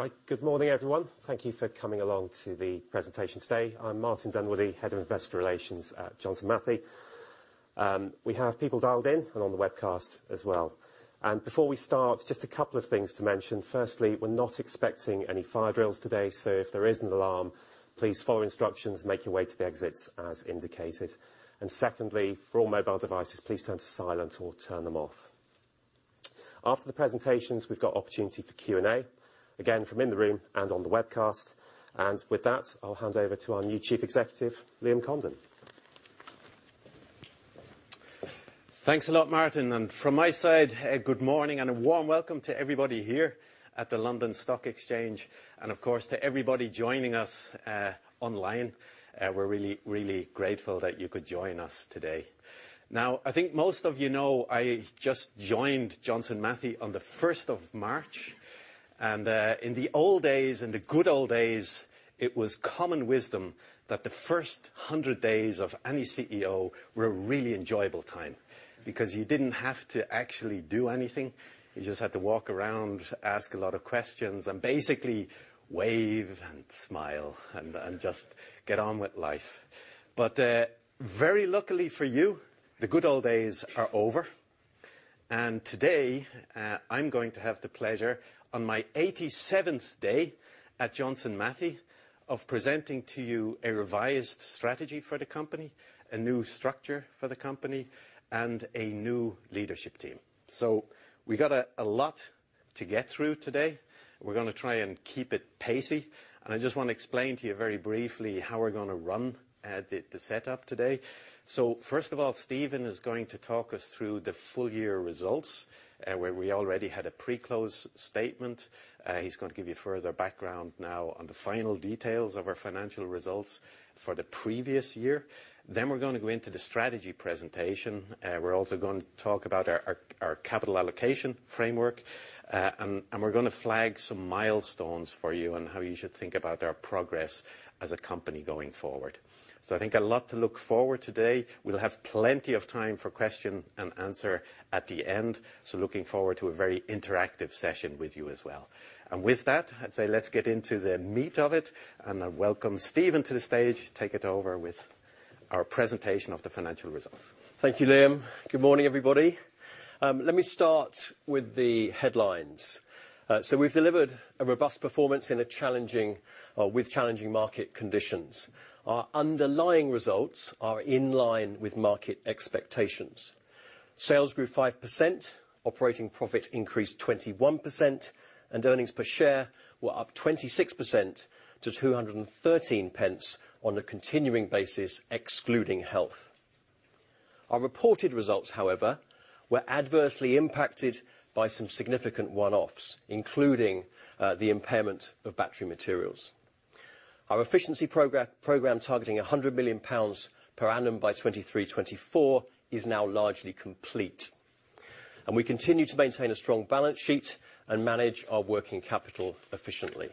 Right. Good morning, everyone. Thank you for coming along to the presentation today. I'm Martin Dunwoodie, Director of Investor Relations at Johnson Matthey. We have people dialed in and on the webcast as well. Before we start, just a couple of things to mention. Firstly, we're not expecting any fire drills today, so if there is an alarm, please follow instructions, make your way to the exits as indicated. Secondly, for all mobile devices, please turn to silent or turn them off. After the presentations, we've got opportunity for Q&A, again, from the room and on the webcast. With that, I'll hand over to our new Chief Executive, Liam Condon. Thanks a lot, Martin. From my side, a good morning and a warm welcome to everybody here at the London Stock Exchange, and of course, to everybody joining us online. We're really, really grateful that you could join us today. Now, I think most of you know I just joined Johnson Matthey on the first of March. In the old days, in the good old days, it was common wisdom that the first 100 days of any CEO were a really enjoyable time because you didn't have to actually do anything. You just had to walk around, ask a lot of questions, and basically wave and smile and just get on with life. Very luckily for you, the good old days are over. Today, I'm going to have the pleasure, on my eighty-seventh day at Johnson Matthey, of presenting to you a revised strategy for the company, a new structure for the company, and a new leadership team. We got a lot to get through today. We're gonna try and keep it pacey. I just wanna explain to you very briefly how we're gonna run the setup today. First of all, Stephen is going to talk us through the full year results, where we already had a pre-close statement. He's gonna give you further background now on the final details of our financial results for the previous year. We're gonna go into the strategy presentation. We're also going to talk about our capital allocation framework. We're gonna flag some milestones for you on how you should think about our progress as a company going forward. I think a lot to look forward today. We'll have plenty of time for question and answer at the end. Looking forward to a very interactive session with you as well. With that, I'd say let's get into the meat of it, and I welcome Stephen to the stage. Take it over with our presentation of the financial results. Thank you, Liam. Good morning, everybody. Let me start with the headlines. We've delivered a robust performance with challenging market conditions. Our underlying results are in line with market expectations. Sales grew 5%, operating profits increased 21%, and earnings per share were up 26% to 213 pence on a continuing basis, excluding health. Our reported results, however, were adversely impacted by some significant one-offs, including the impairment of battery materials. Our efficiency program, targeting 100 million pounds per annum by 2023/2024, is now largely complete. We continue to maintain a strong balance sheet and manage our working capital efficiently.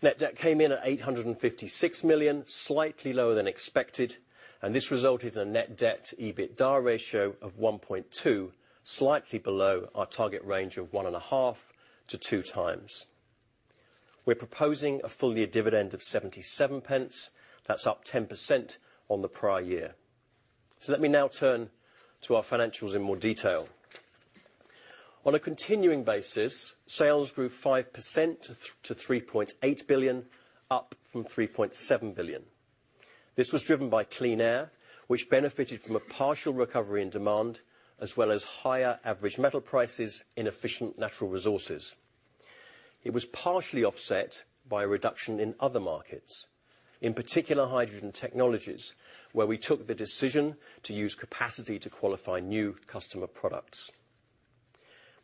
Net debt came in at 856 million, slightly lower than expected, and this resulted in a net debt/EBITDA ratio of 1.2, slightly below our target range of 1.5x-2x. We're proposing a full-year dividend of 0.77. That's up 10% on the prior year. Let me now turn to our financials in more detail. On a continuing basis, sales grew 5% to 3.8 billion, up from 3.7 billion. This was driven by Clean Air, which benefited from a partial recovery in demand as well as higher average metal prices in Efficient Natural Resources. It was partially offset by a reduction in other markets, in particular Hydrogen Technologies, where we took the decision to use capacity to qualify new customer products.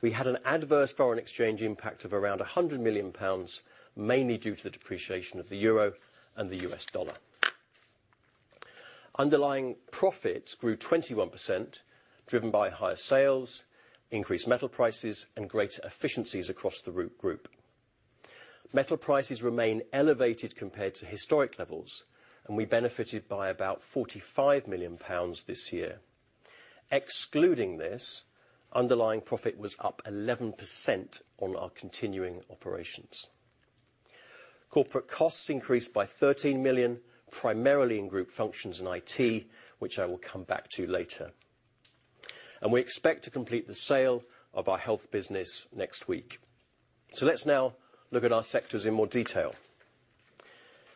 We had an adverse foreign exchange impact of around 100 million pounds, mainly due to the depreciation of the euro and the U.S. dollar. Underlying profits grew 21%, driven by higher sales, increased metal prices, and greater efficiencies across the whole group. Metal prices remain elevated compared to historic levels, and we benefited by about 45 million pounds this year. Excluding this, underlying profit was up 11% on our continuing operations. Corporate costs increased by 13 million, primarily in group functions in IT, which I will come back to later. We expect to complete the sale of our health business next week. Let's now look at our sectors in more detail.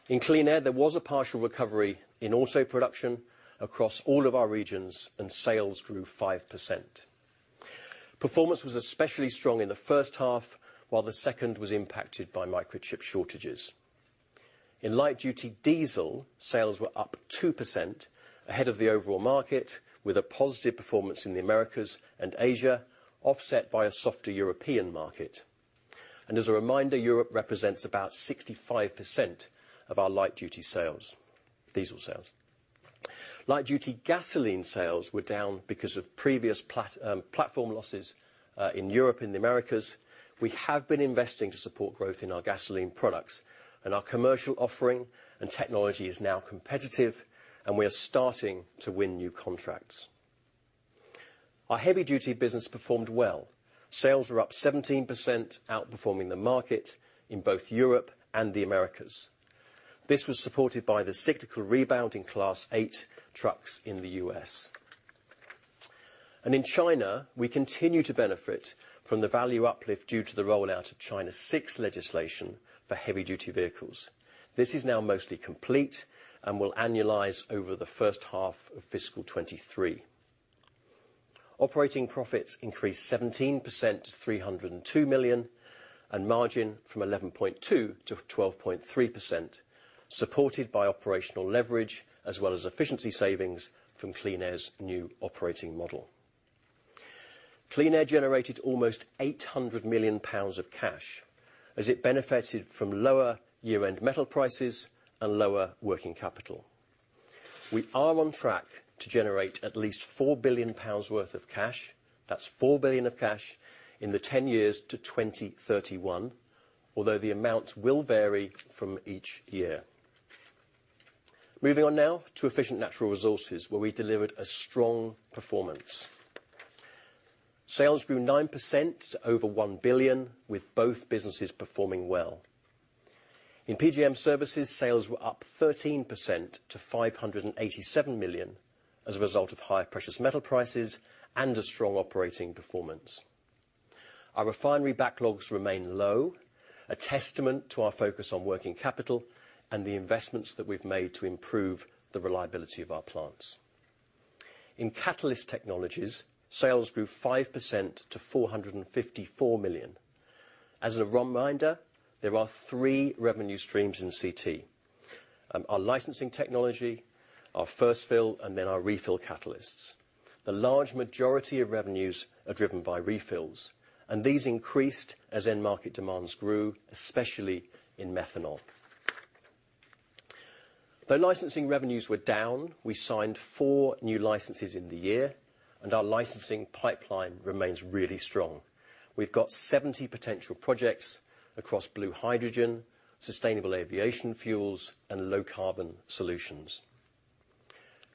In Clean Air, there was a partial recovery in auto production across all of our regions, and sales grew 5%. Performance was especially strong in the first half, while the second was impacted by microchip shortages. In light duty diesel, sales were up 2% ahead of the overall market with a positive performance in the Americas and Asia, offset by a softer European market. As a reminder, Europe represents about 65% of our light duty sales, diesel sales. Light duty gasoline sales were down because of previous platform losses in Europe and the Americas. We have been investing to support growth in our gasoline products and our commercial offering and technology is now competitive and we are starting to win new contracts. Our heavy-duty business performed well. Sales were up 17%, outperforming the market in both Europe and the Americas. This was supported by the cyclical rebound in Class 8 trucks in the U.S. In China, we continue to benefit from the value uplift due to the rollout of China VI legislation for heavy-duty vehicles. This is now mostly complete and will annualize over the first half of fiscal 2023. Operating profits increased 17% to 302 million, and margin from 11.2% to 12.3%, supported by operational leverage as well as efficiency savings from Clean Air's new operating model. Clean Air generated almost 800 million pounds of cash as it benefited from lower year-end metal prices and lower working capital. We are on track to generate at least 4 billion pounds worth of cash. That's 4 billion of cash in the 10 years to 2031, although the amounts will vary from each year. Moving on now to efficient natural resources, where we delivered a strong performance. Sales grew 9% to over 1 billion, with both businesses performing well. In PGM Services, sales were up 13% to 587 million as a result of higher precious metal prices and a strong operating performance. Our refinery backlogs remain low, a testament to our focus on working capital and the investments that we've made to improve the reliability of our plants. In Catalyst Technologies, sales grew 5% to 454 million. As a reminder, there are three revenue streams in CT: our licensing technology, our first fill, and then our refill catalysts. The large majority of revenues are driven by refills, and these increased as end market demands grew, especially in methanol. Though licensing revenues were down, we signed four new licenses in the year, and our licensing pipeline remains really strong. We've got 70 potential projects across blue hydrogen, sustainable aviation fuels, and low-carbon solutions.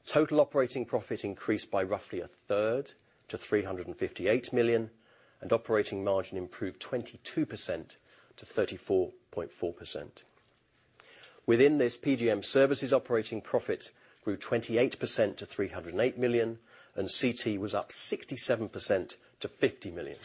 Total operating profit increased by roughly a third to 358 million, and operating margin improved 22% to 34.4%. Within this PGM Services operating profit grew 28% to 308 million, and CT was up 67% to 50 million.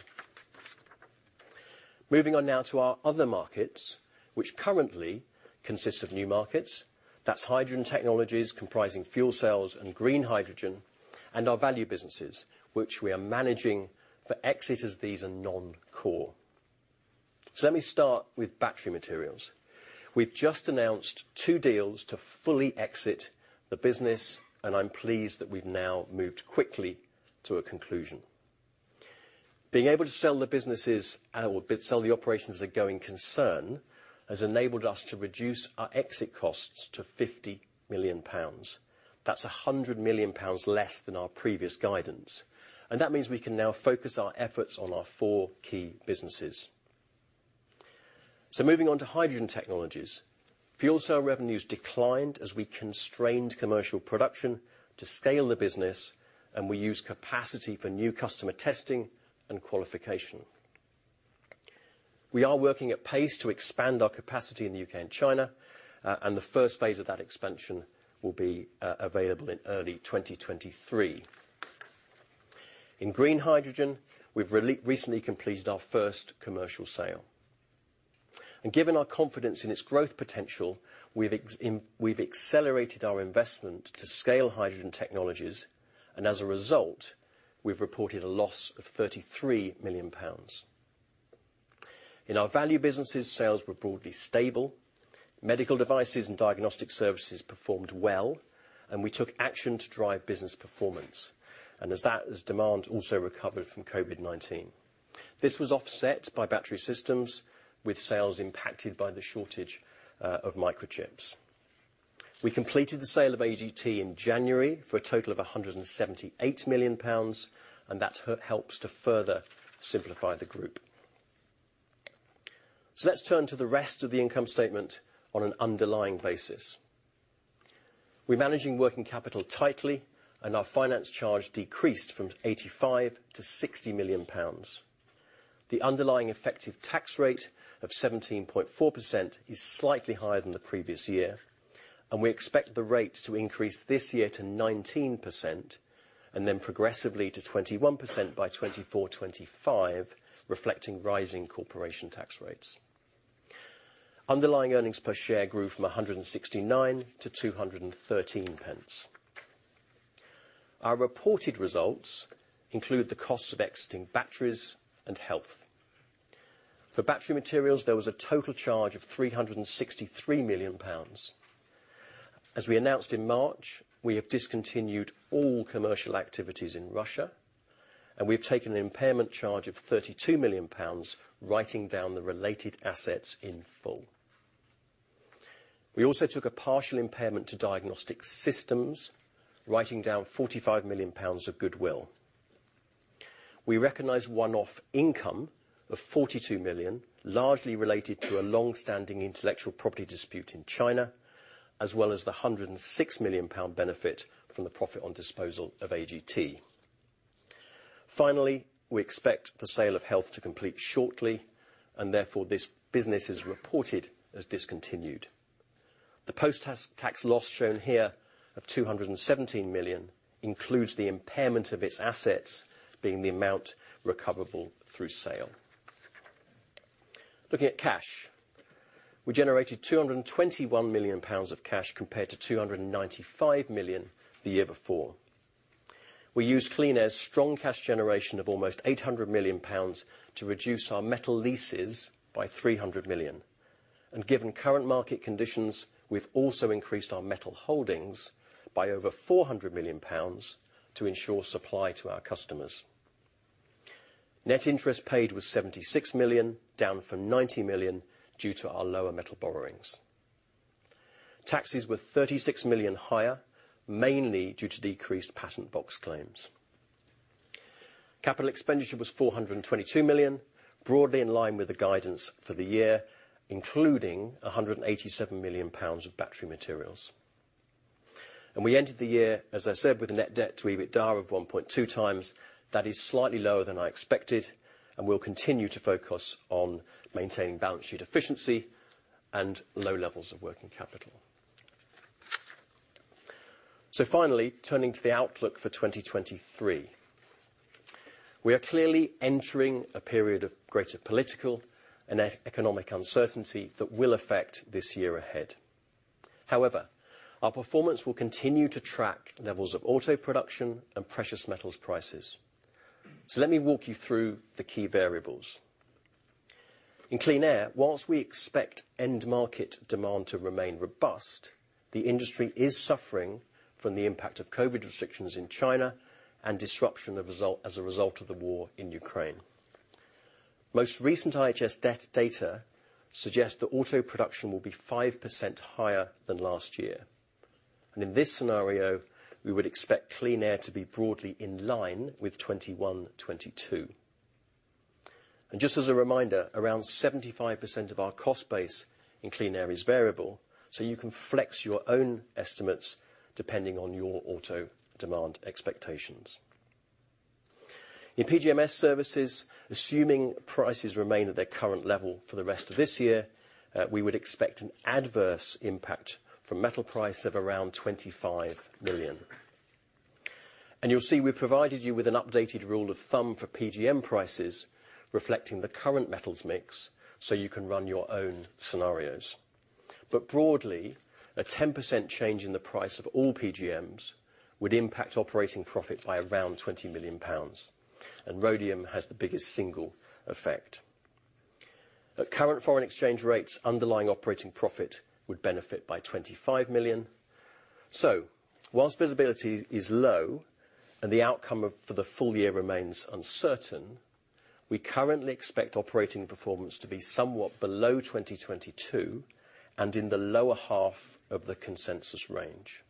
Moving on now to our other markets, which currently consists of new markets. That's Hydrogen Technologies comprising fuel cells and green hydrogen, and our value businesses which we are managing for exit as these are non-core. Let me start with battery materials. We've just announced two deals to fully exit the business, and I'm pleased that we've now moved quickly to a conclusion. Being able to sell the businesses, or sell the operations a going concern, has enabled us to reduce our exit costs to 50 million pounds. That's 100 million pounds less than our previous guidance, and that means we can now focus our efforts on our four key businesses. Moving on to Hydrogen Technologies. Fuel cell revenues declined as we constrained commercial production to scale the business, and we used capacity for new customer testing and qualification. We are working at pace to expand our capacity in the U.K. and China, and the first phase of that expansion will be available in early 2023. In green hydrogen, we've recently completed our first commercial sale. Given our confidence in its growth potential, we've accelerated our investment to scale Hydrogen Technologies, and as a result, we've reported a loss of 33 million pounds. In our value businesses, sales were broadly stable. Medical devices and diagnostic services performed well, and we took action to drive business performance, and demand also recovered from COVID-19. This was offset by battery systems, with sales impacted by the shortage of microchips. We completed the sale of AGT in January for a total of 178 million pounds, and that helps to further simplify the group. Let's turn to the rest of the income statement on an underlying basis. We're managing working capital tightly, and our finance charge decreased from 85 million to 60 million pounds. The underlying effective tax rate of 17.4% is slightly higher than the previous year, and we expect the rate to increase this year to 19% and then progressively to 21% by 2024, 2025, reflecting rising corporation tax rates. Underlying earnings per share grew from 169 to 213 pence. Our reported results include the costs of exiting batteries and health. For battery materials, there was a total charge of 363 million pounds. As we announced in March, we have discontinued all commercial activities in Russia, and we have taken an impairment charge of 32 million pounds, writing down the related assets in full. We also took a partial impairment to diagnostic systems, writing down 45 million pounds of goodwill. We recognize one-off income of 42 million, largely related to a long-standing intellectual property dispute in China, as well as the 106 million pound benefit from the profit on disposal of AGT. Finally, we expect the sale of Health to complete shortly, and therefore, this business is reported as discontinued. The post-tax loss shown here of 217 million includes the impairment of its assets, being the amount recoverable through sale. Looking at cash. We generated 221 million pounds of cash compared to 295 million the year before. We used Clean Air's strong cash generation of almost 800 million pounds to reduce our metal leases by 300 million. Given current market conditions, we've also increased our metal holdings by over 400 million pounds to ensure supply to our customers. Net interest paid was 76 million, down from 90 million due to our lower metal borrowings. Taxes were 36 million higher, mainly due to decreased patent box claims. Capital expenditure was 422 million, broadly in line with the guidance for the year, including 187 million pounds of battery materials. We ended the year, as I said, with a net debt to EBITDA of 1.2x. That is slightly lower than I expected, and we'll continue to focus on maintaining balance sheet efficiency and low levels of working capital. Finally, turning to the outlook for 2023. We are clearly entering a period of greater political and economic uncertainty that will affect this year ahead. However, our performance will continue to track levels of auto production and precious metals prices. Let me walk you through the key variables. In Clean Air, while we expect end market demand to remain robust, the industry is suffering from the impact of COVID restrictions in China and disruption as a result of the war in Ukraine. Most recent IHS data suggests that auto production will be 5% higher than last year. In this scenario, we would expect Clean Air to be broadly in line with 2021, 2022. Just as a reminder, around 75% of our cost base in Clean Air is variable, so you can flex your own estimates depending on your auto demand expectations. In PGMS services, assuming prices remain at their current level for the rest of this year, we would expect an adverse impact from metal price of around 25 million. You'll see we've provided you with an updated rule of thumb for PGM prices reflecting the current metals mix, so you can run your own scenarios. Broadly, a 10% change in the price of all PGMs would impact operating profit by around 20 million pounds, and rhodium has the biggest single effect. At current foreign exchange rates, underlying operating profit would benefit by 25 million. While visibility is low and the outcome of, for the full year remains uncertain, we currently expect operating performance to be somewhat below 2022 and in the lower half of the consensus range.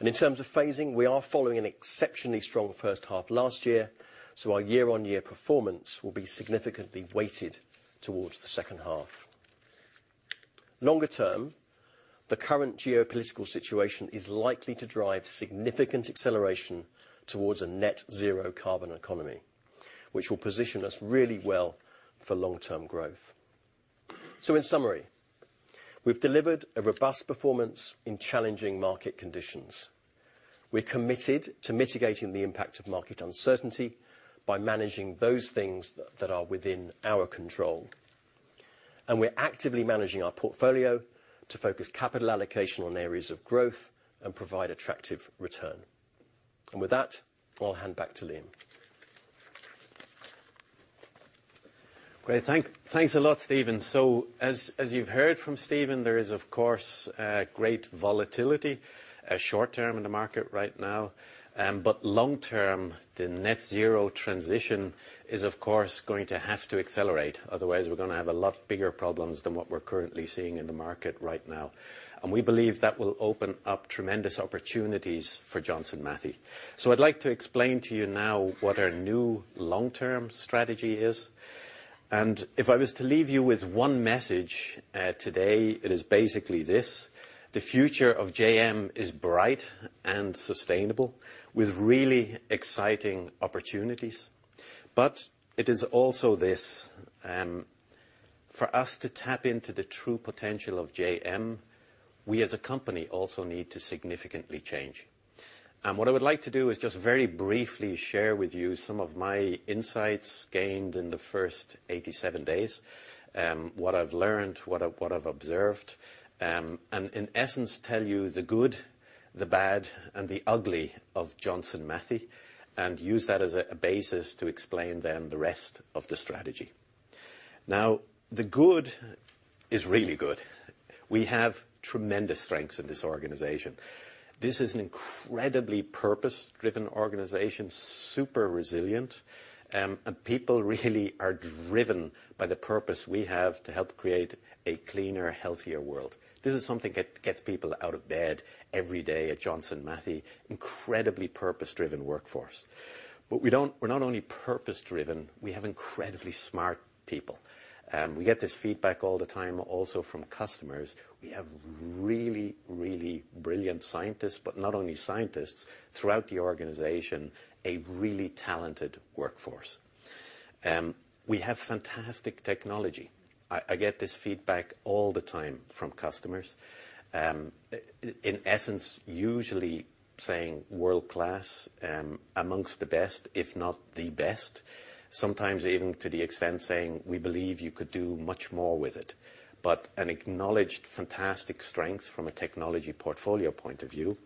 In terms of phasing, we are following an exceptionally strong first half last year, so our year-on-year performance will be significantly weighted towards the second half. Longer term, the current geopolitical situation is likely to drive significant acceleration towards a net zero carbon economy, which will position us really well for long-term growth. In summary, we've delivered a robust performance in challenging market conditions. We're committed to mitigating the impact of market uncertainty by managing those things that are within our control. We're actively managing our portfolio to focus capital allocation on areas of growth and provide attractive return. With that, I'll hand back to Liam. Great. Thanks a lot, Stephen. As you've heard from Stephen, there is of course great volatility short term in the market right now. Long term, the net zero transition is of course going to have to accelerate, otherwise we're gonna have a lot bigger problems than what we're currently seeing in the market right now. We believe that will open up tremendous opportunities for Johnson Matthey. I'd like to explain to you now what our new long-term strategy is. If I was to leave you with one message today, it is basically this. The future of JM is bright and sustainable with really exciting opportunities. It is also this, for us to tap into the true potential of JM, we as a company also need to significantly change. What I would like to do is just very briefly share with you some of my insights gained in the first 87 days, what I've learned, what I've observed, and in essence, tell you the good, the bad, and the ugly of Johnson Matthey and use that as a basis to explain then the rest of the strategy. Now, the good is really good. We have tremendous strengths in this organization. This is an incredibly purpose-driven organization, super resilient. People really are driven by the purpose we have to help create a cleaner, healthier world. This is something that gets people out of bed every day at Johnson Matthey. Incredibly purpose-driven workforce. We're not only purpose-driven, we have incredibly smart people. We get this feedback all the time, also from customers. We have really, really brilliant scientists. Not only scientists, throughout the organization, a really talented workforce. We have fantastic technology. I get this feedback all the time from customers. In essence, usually saying world-class, among the best, if not the best. Sometimes even to the extent saying, "We believe you could do much more with it." An acknowledged fantastic strength from a technology portfolio point of view.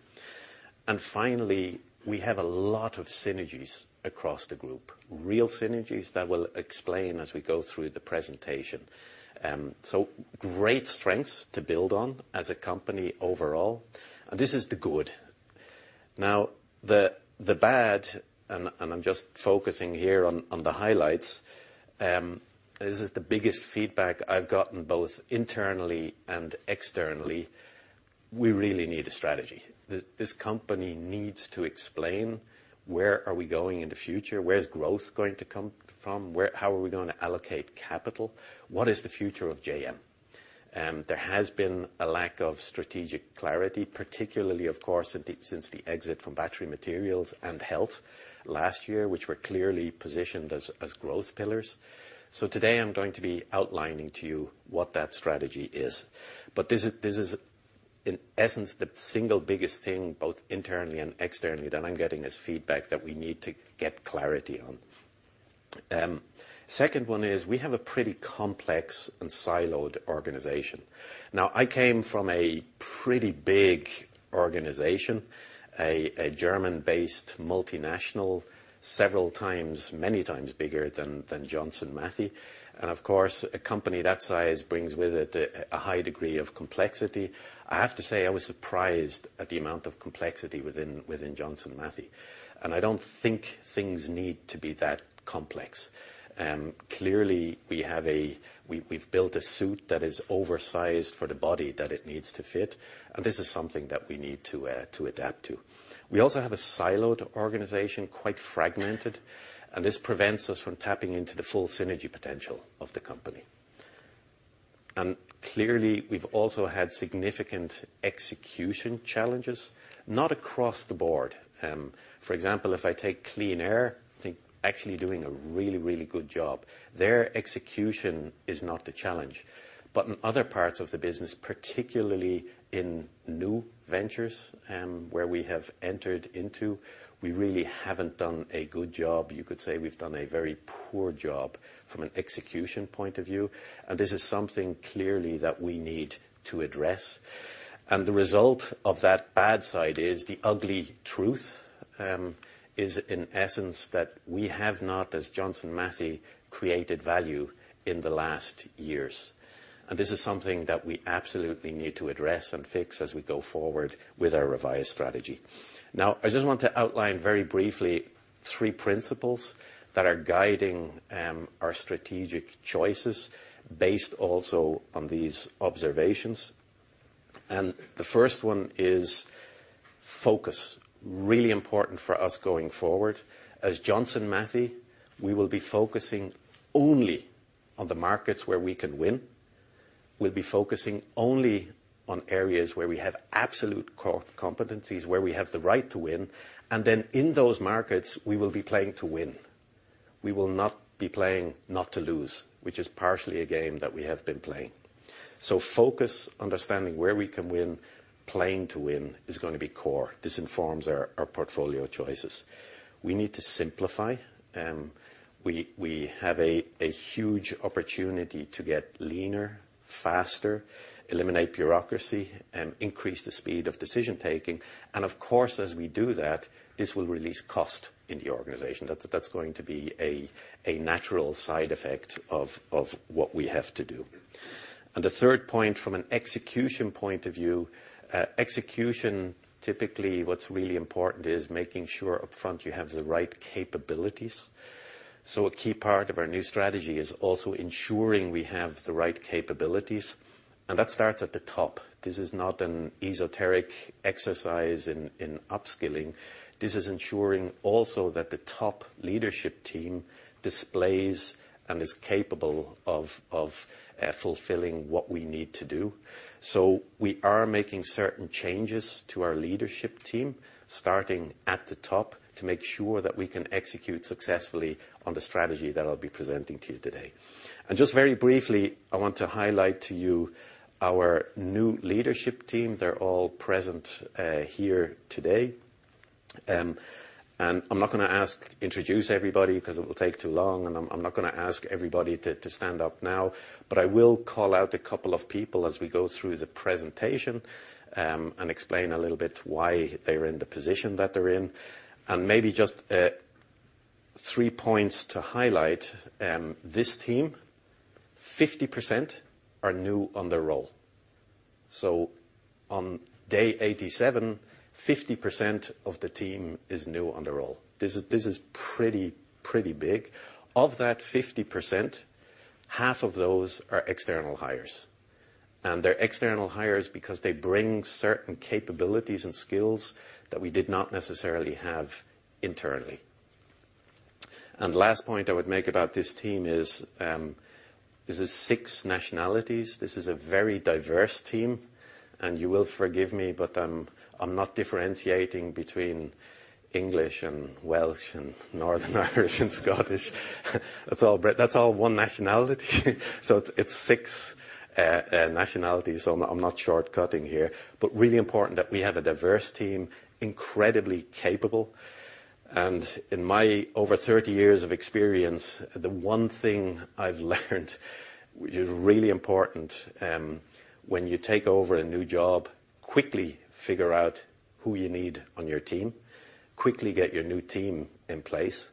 Finally, we have a lot of synergies across the group. Real synergies that we'll explain as we go through the presentation. Great strengths to build on as a company overall, and this is the good. Now, the bad, and I'm just focusing here on the highlights, this is the biggest feedback I've gotten both internally and externally. We really need a strategy. This company needs to explain where are we going in the future? Where's growth going to come from? How are we gonna allocate capital? What is the future of JM? There has been a lack of strategic clarity, particularly, of course, since the exit from battery materials and health last year, which were clearly positioned as growth pillars. Today I'm going to be outlining to you what that strategy is. This is, in essence, the single biggest thing, both internally and externally, that I'm getting as feedback that we need to get clarity on. Second one is we have a pretty complex and siloed organization. Now, I came from a pretty big organization, a German-based multinational, several times, many times bigger than Johnson Matthey. Of course, a company that size brings with it a high degree of complexity. I have to say, I was surprised at the amount of complexity within Johnson Matthey, and I don't think things need to be that complex. Clearly, we've built a suit that is oversized for the body that it needs to fit, and this is something that we need to adapt to. We also have a siloed organization, quite fragmented, and this prevents us from tapping into the full synergy potential of the company. Clearly, we've also had significant execution challenges, not across the board. For example, if I take Clean Air, I think actually doing a really, really good job. Their execution is not the challenge. But in other parts of the business, particularly in new ventures, where we have entered into, we really haven't done a good job. You could say we've done a very poor job from an execution point of view, and this is something clearly that we need to address. The result of that downside is the ugly truth is in essence that we have not, as Johnson Matthey, created value in the last years. This is something that we absolutely need to address and fix as we go forward with our revised strategy. Now, I just want to outline very briefly three principles that are guiding our strategic choices based also on these observations. The first one is focus. Really important for us going forward. As Johnson Matthey, we will be focusing only on the markets where we can win. We'll be focusing only on areas where we have absolute core competencies, where we have the right to win. In those markets, we will be playing to win. We will not be playing not to lose, which is partially a game that we have been playing. Focus, understanding where we can win, playing to win is gonna be core. This informs our portfolio choices. We need to simplify. We have a huge opportunity to get leaner, faster, eliminate bureaucracy, increase the speed of decision-taking. Of course, as we do that, this will release cost in the organization. That's going to be a natural side effect of what we have to do. The third point, from an execution point of view, typically what's really important is making sure up front you have the right capabilities. A key part of our new strategy is also ensuring we have the right capabilities, and that starts at the top. This is not an esoteric exercise in upskilling. This is ensuring also that the top leadership team displays and is capable of fulfilling what we need to do. We are making certain changes to our leadership team, starting at the top, to make sure that we can execute successfully on the strategy that I'll be presenting to you today. Just very briefly, I want to highlight to you our new leadership team. They're all present here today. I'm not gonna introduce everybody 'cause it will take too long, and I'm not gonna ask everybody to stand up now, but I will call out a couple of people as we go through the presentation, and explain a little bit why they're in the position that they're in. Maybe just 3 points to highlight. This team, 50% are new on their role. On day 87, 50% of the team is new on the role. This is pretty big. Of that 50%, half of those are external hires. They're external hires because they bring certain capabilities and skills that we did not necessarily have internally. Last point I would make about this team is, this is six nationalities. This is a very diverse team, and you will forgive me, but I'm not differentiating between English and Welsh and Northern Irish and Scottish. That's all one nationality. It's six nationalities so I'm not shortcutting here, but really important that we have a diverse team, incredibly capable, and in my over 30 years of experience, the one thing I've learned which is really important, when you take over a new job, quickly figure out who you need on your team, quickly get your new team in place,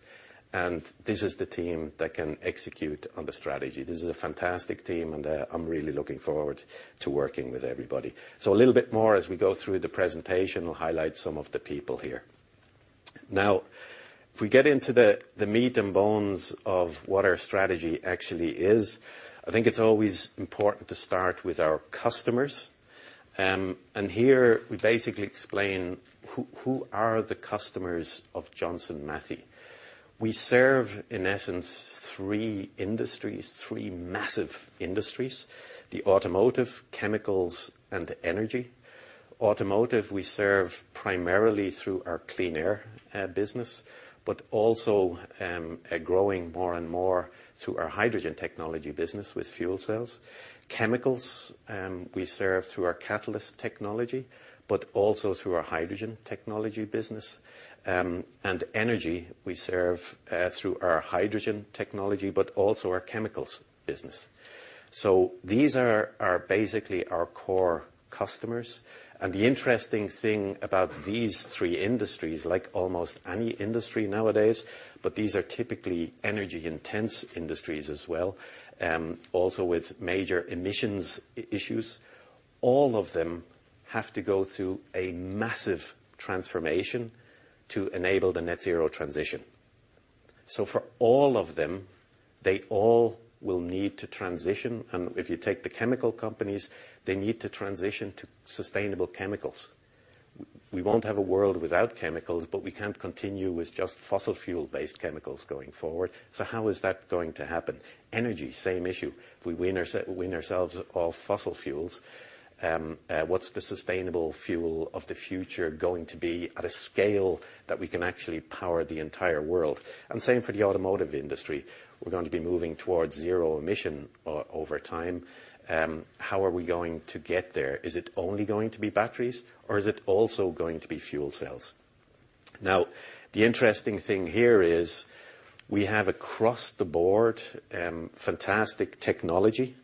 and this is the team that can execute on the strategy. This is a fantastic team, and, I'm really looking forward to working with everybody. A little bit more as we go through the presentation, we'll highlight some of the people here. Now, if we get into the meat and bones of what our strategy actually is, I think it's always important to start with our customers. Here we basically explain who are the customers of Johnson Matthey. We serve, in essence, three massive industries, the automotive, chemicals, and energy. Automotive we serve primarily through our Clean Air business, but also growing more and more through our Hydrogen Technologies business with fuel cells. Chemicals we serve through our Catalyst Technologies, but also through our Hydrogen Technologies business. Energy we serve through our Hydrogen Technologies, but also our chemicals business. These are basically our core customers. The interesting thing about these three industries, like almost any industry nowadays, but these are typically energy-intense industries as well, also with major emissions issues, all of them have to go through a massive transformation to enable the net zero transition. For all of them, they all will need to transition, and if you take the chemical companies, they need to transition to sustainable chemicals. We won't have a world without chemicals, but we can't continue with just fossil fuel-based chemicals going forward. How is that going to happen? Energy, same issue. If we wean ourselves off fossil fuels, what's the sustainable fuel of the future going to be at a scale that we can actually power the entire world? Same for the automotive industry. We're going to be moving towards zero emission over time. How are we going to get there? Is it only going to be batteries, or is it also going to be fuel cells? Now, the interesting thing here is we have across the board fantastic technology.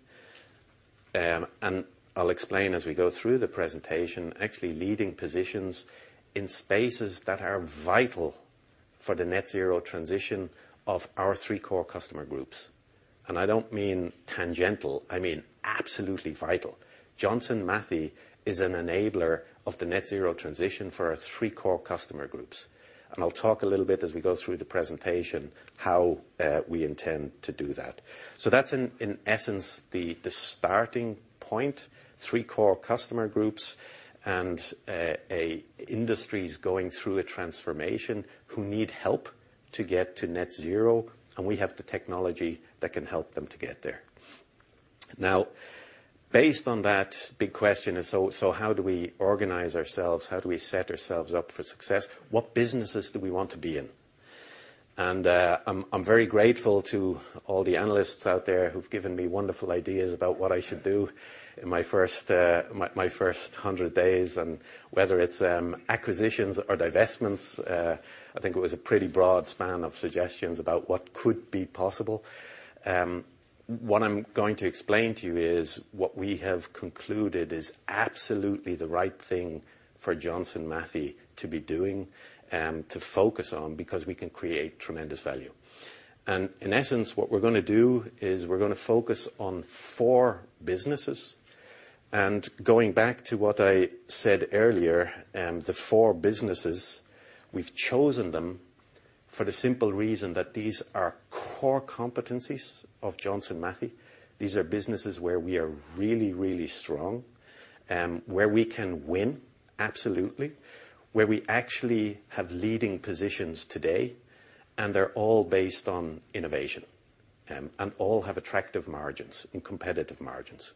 I'll explain as we go through the presentation, actually leading positions in spaces that are vital for the net zero transition of our three core customer groups. I don't mean tangential, I mean absolutely vital. Johnson Matthey is an enabler of the net zero transition for our three core customer groups. I'll talk a little bit as we go through the presentation how we intend to do that. That's in essence the starting point, three core customer groups and our industries going through a transformation who need help to get to net zero, and we have the technology that can help them to get there. Now, based on that the big question is, how do we organize ourselves? How do we set ourselves up for success? What businesses do we want to be in? I'm very grateful to all the analysts out there who've given me wonderful ideas about what I should do in my first 100 days, and whether it's acquisitions or divestments, I think it was a pretty broad span of suggestions about what could be possible. What I'm going to explain to you is what we have concluded is absolutely the right thing for Johnson Matthey to be doing, to focus on because we can create tremendous value. In essence, what we're gonna do is we're gonna focus on four businesses. Going back to what I said earlier, the four businesses, we've chosen them for the simple reason that these are core competencies of Johnson Matthey. These are businesses where we are really, really strong, where we can win, absolutely. Where we actually have leading positions today, and they're all based on innovation, and all have attractive margins and competitive margins.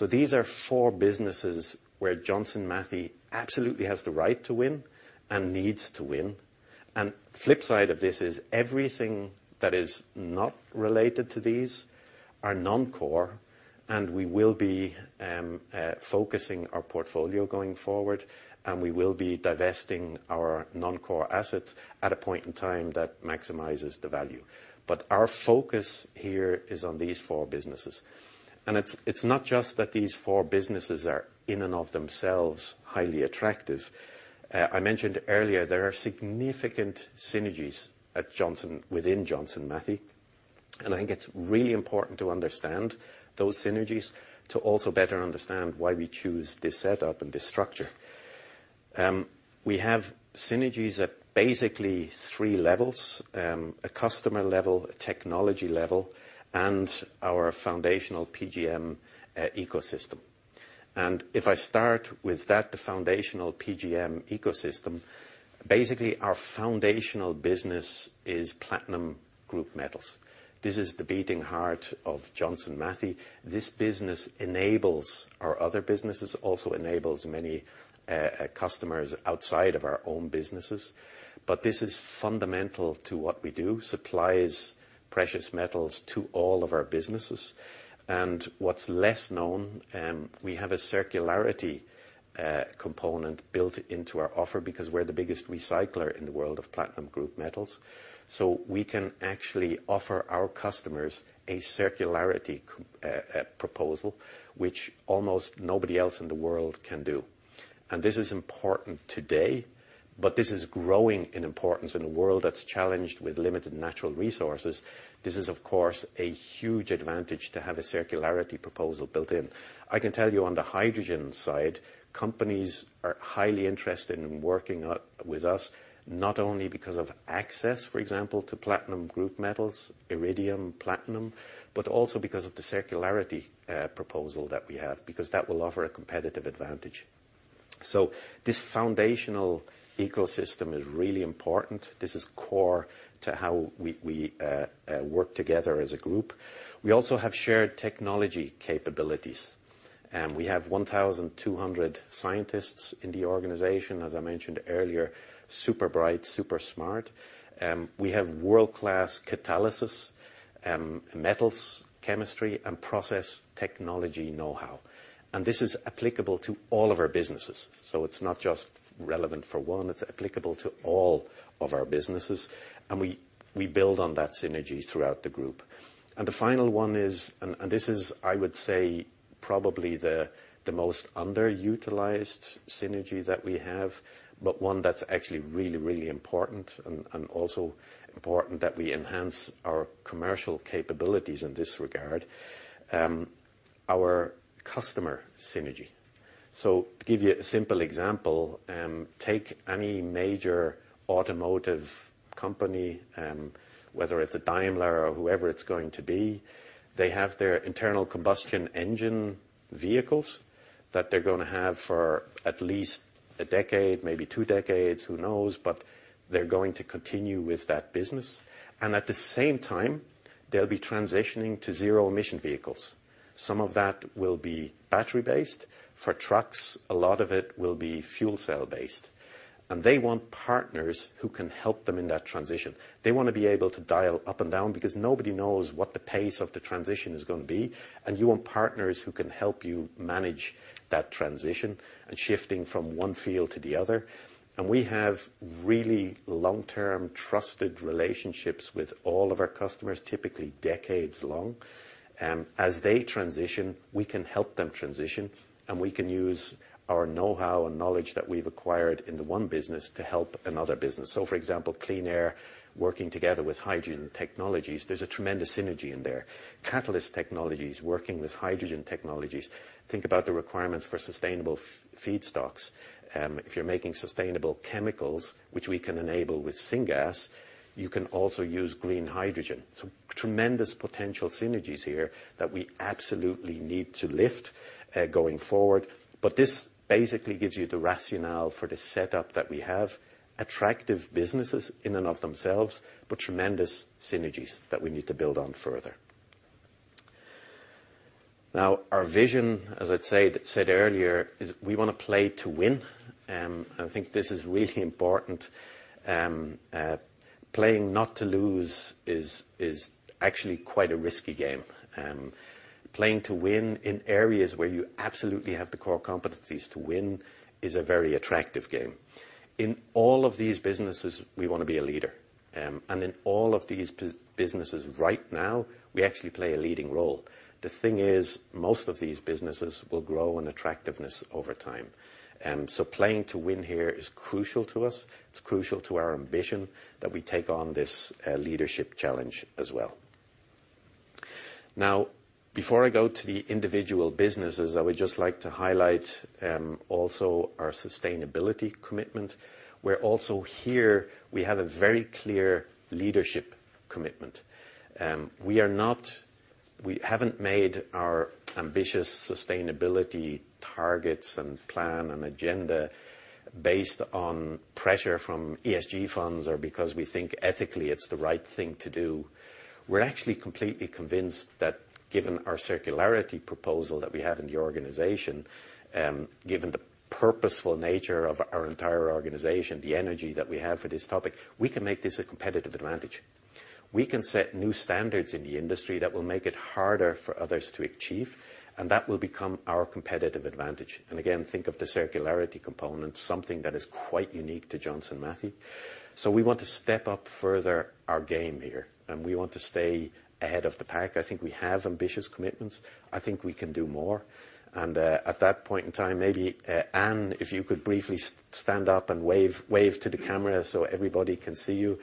These are four businesses where Johnson Matthey absolutely has the right to win and needs to win. Flip side of this is everything that is not related to these are non-core, and we will be focusing our portfolio going forward, and we will be divesting our non-core assets at a point in time that maximizes the value. Our focus here is on these four businesses. It's not just that these four businesses are in and of themselves highly attractive. I mentioned earlier there are significant synergies within Johnson Matthey. I think it's really important to understand those synergies to also better understand why we choose this setup and this structure. We have synergies at basically three levels, a customer level, a technology level, and our foundational PGM ecosystem. If I start with that, the foundational PGM ecosystem, basically our foundational business is platinum group metals. This is the beating heart of Johnson Matthey. This business enables our other businesses, also enables many customers outside of our own businesses. This is fundamental to what we do, supplies precious metals to all of our businesses. What's less known, we have a circularity component built into our offer because we're the biggest recycler in the world of platinum group metals. We can actually offer our customers a circularity proposal, which almost nobody else in the world can do. This is important today, but this is growing in importance in a world that's challenged with limited natural resources. This is, of course, a huge advantage to have a circularity proposal built in. I can tell you on the hydrogen side, companies are highly interested in working with us, not only because of access, for example, to platinum group metals, iridium, platinum, but also because of the circularity proposal that we have, because that will offer a competitive advantage. This foundational ecosystem is really important. This is core to how we work together as a group. We also have shared technology capabilities. We have 1,200 scientists in the organization, as I mentioned earlier, super bright, super smart. We have world-class catalysis, metals, chemistry, and process technology know-how. This is applicable to all of our businesses. It's not just relevant for one, it's applicable to all of our businesses. We build on that synergy throughout the group. The final one is this, I would say, probably the most underutilized synergy that we have, but one that's actually really important and also important that we enhance our commercial capabilities in this regard, our customer synergy. To give you a simple example, take any major automotive company, whether it's a Daimler or whoever it's going to be. They have their internal combustion engine vehicles that they're gonna have for at least a decade, maybe two decades, who knows. They're going to continue with that business. At the same time, they'll be transitioning to zero emission vehicles. Some of that will be battery-based. For trucks, a lot of it will be fuel cell-based. They want partners who can help them in that transition. They wanna be able to dial up and down because nobody knows what the pace of the transition is gonna be. You want partners who can help you manage that transition and shifting from one field to the other. We have really long-term trusted relationships with all of our customers, typically decades long. As they transition, we can help them transition, and we can use our know-how and knowledge that we've acquired in the one business to help another business. For example, Clean Air working together with Hydrogen Technologies, there's a tremendous synergy in there. Catalyst Technologies working with Hydrogen Technologies, think about the requirements for sustainable feedstocks. If you're making sustainable chemicals, which we can enable with syngas, you can also use green hydrogen. Tremendous potential synergies here that we absolutely need to lift going forward. This basically gives you the rationale for the setup that we have, attractive businesses in and of themselves, but tremendous synergies that we need to build on further. Now, our vision, as I said earlier, is we wanna play to win. I think this is really important. Playing not to lose is actually quite a risky game. Playing to win in areas where you absolutely have the core competencies to win is a very attractive game. In all of these businesses, we wanna be a leader. In all of these businesses right now, we actually play a leading role. The thing is, most of these businesses will grow in attractiveness over time. Playing to win here is crucial to us. It's crucial to our ambition that we take on this leadership challenge as well. Now, before I go to the individual businesses, I would just like to highlight also our sustainability commitment. We're also here, we have a very clear leadership commitment. We haven't made our ambitious sustainability targets and plan and agenda based on pressure from ESG funds or because we think ethically it's the right thing to do. We're actually completely convinced that given our circularity proposal that we have in the organization, given the purposeful nature of our entire organization, the energy that we have for this topic, we can make this a competitive advantage. We can set new standards in the industry that will make it harder for others to achieve, and that will become our competitive advantage. Again, think of the circularity component, something that is quite unique to Johnson Matthey. We want to step up further our game here, and we want to stay ahead of the pack. I think we have ambitious commitments. I think we can do more. At that point in time, maybe, Anne, if you could briefly stand up and wave to the camera so everybody can see you.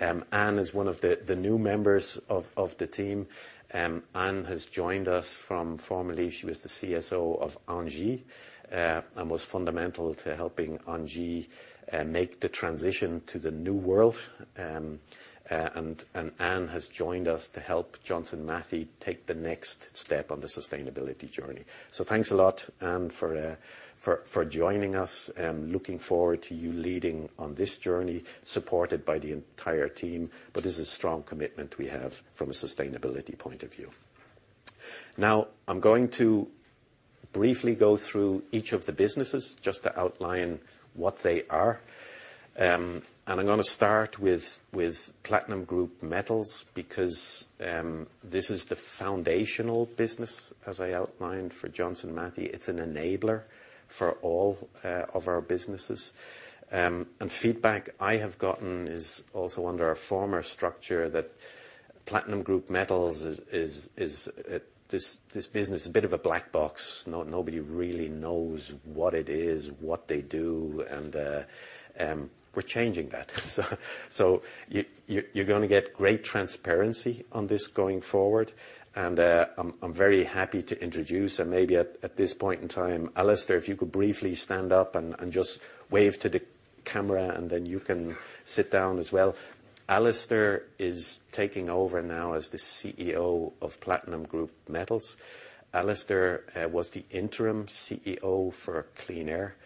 Anne is one of the new members of the team. Anne has joined us from formerly, she was the CSO of ENGIE, and was fundamental to helping ENGIE make the transition to the new world. And Anne has joined us to help Johnson Matthey take the next step on the sustainability journey. Thanks a lot, Anne, for joining us. Looking forward to you leading on this journey, supported by the entire team. This is a strong commitment we have from a sustainability point of view. Now, I'm going to briefly go through each of the businesses just to outline what they are. I'm gonna start with Platinum Group Metals because this is the foundational business, as I outlined for Johnson Matthey. It's an enabler for all of our businesses. Feedback I have gotten is also under our former structure that Platinum Group Metals is this business, a bit of a black box. Nobody really knows what it is, what they do, and we're changing that. You're gonna get great transparency on this going forward. I'm very happy to introduce and maybe at this point in time, Alastair, if you could briefly stand up and just wave to the camera, and then you can sit down as well. Alastair is taking over now as the CEO of Platinum Group Metals. Alastair was the interim CEO for Clean Air.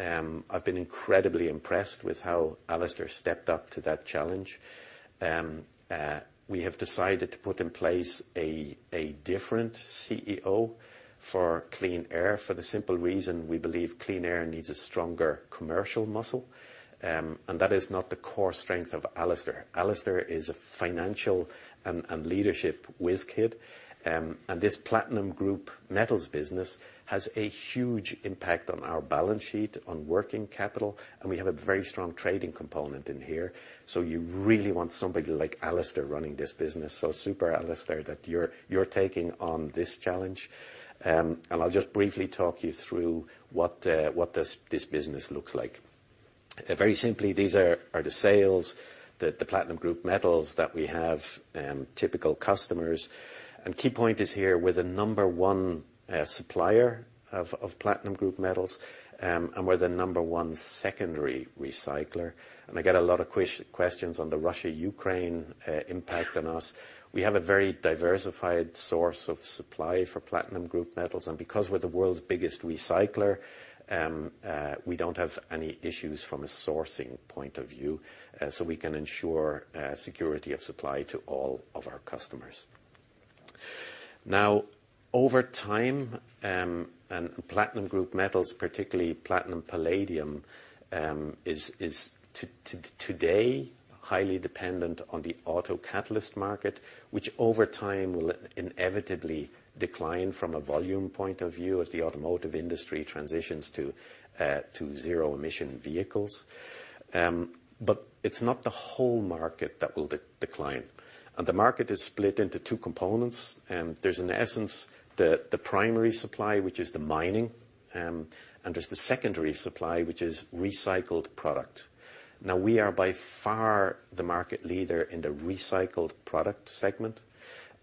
I've been incredibly impressed with how Alastair stepped up to that challenge. We have decided to put in place a different CEO for Clean Air for the simple reason we believe Clean Air needs a stronger commercial muscle. That is not the core strength of Alastair. Alastair is a financial and leadership whiz kid. This Platinum Group Metals business has a huge impact on our balance sheet, on working capital, and we have a very strong trading component in here. You really want somebody like Alastair running this business. Super Alastair that you're taking on this challenge. I'll just briefly talk you through what this business looks like. Very simply, these are the sales that the Platinum Group Metals that we have, typical customers. Key point is here, we're the number one supplier of Platinum Group Metals, and we're the number one secondary recycler. I get a lot of questions on the Russia-Ukraine impact on us. We have a very diversified source of supply for Platinum Group Metals, and because we're the world's biggest recycler, we don't have any issues from a sourcing point of view. We can ensure security of supply to all of our customers. Now, over time, Platinum Group Metals, particularly platinum, palladium, is today highly dependent on the auto catalyst market, which over time will inevitably decline from a volume point of view as the automotive industry transitions to zero emission vehicles. It's not the whole market that will decline. The market is split into two components, and there's in essence the primary supply, which is the mining, and there's the secondary supply, which is recycled product. Now, we are by far the market leader in the recycled product segment,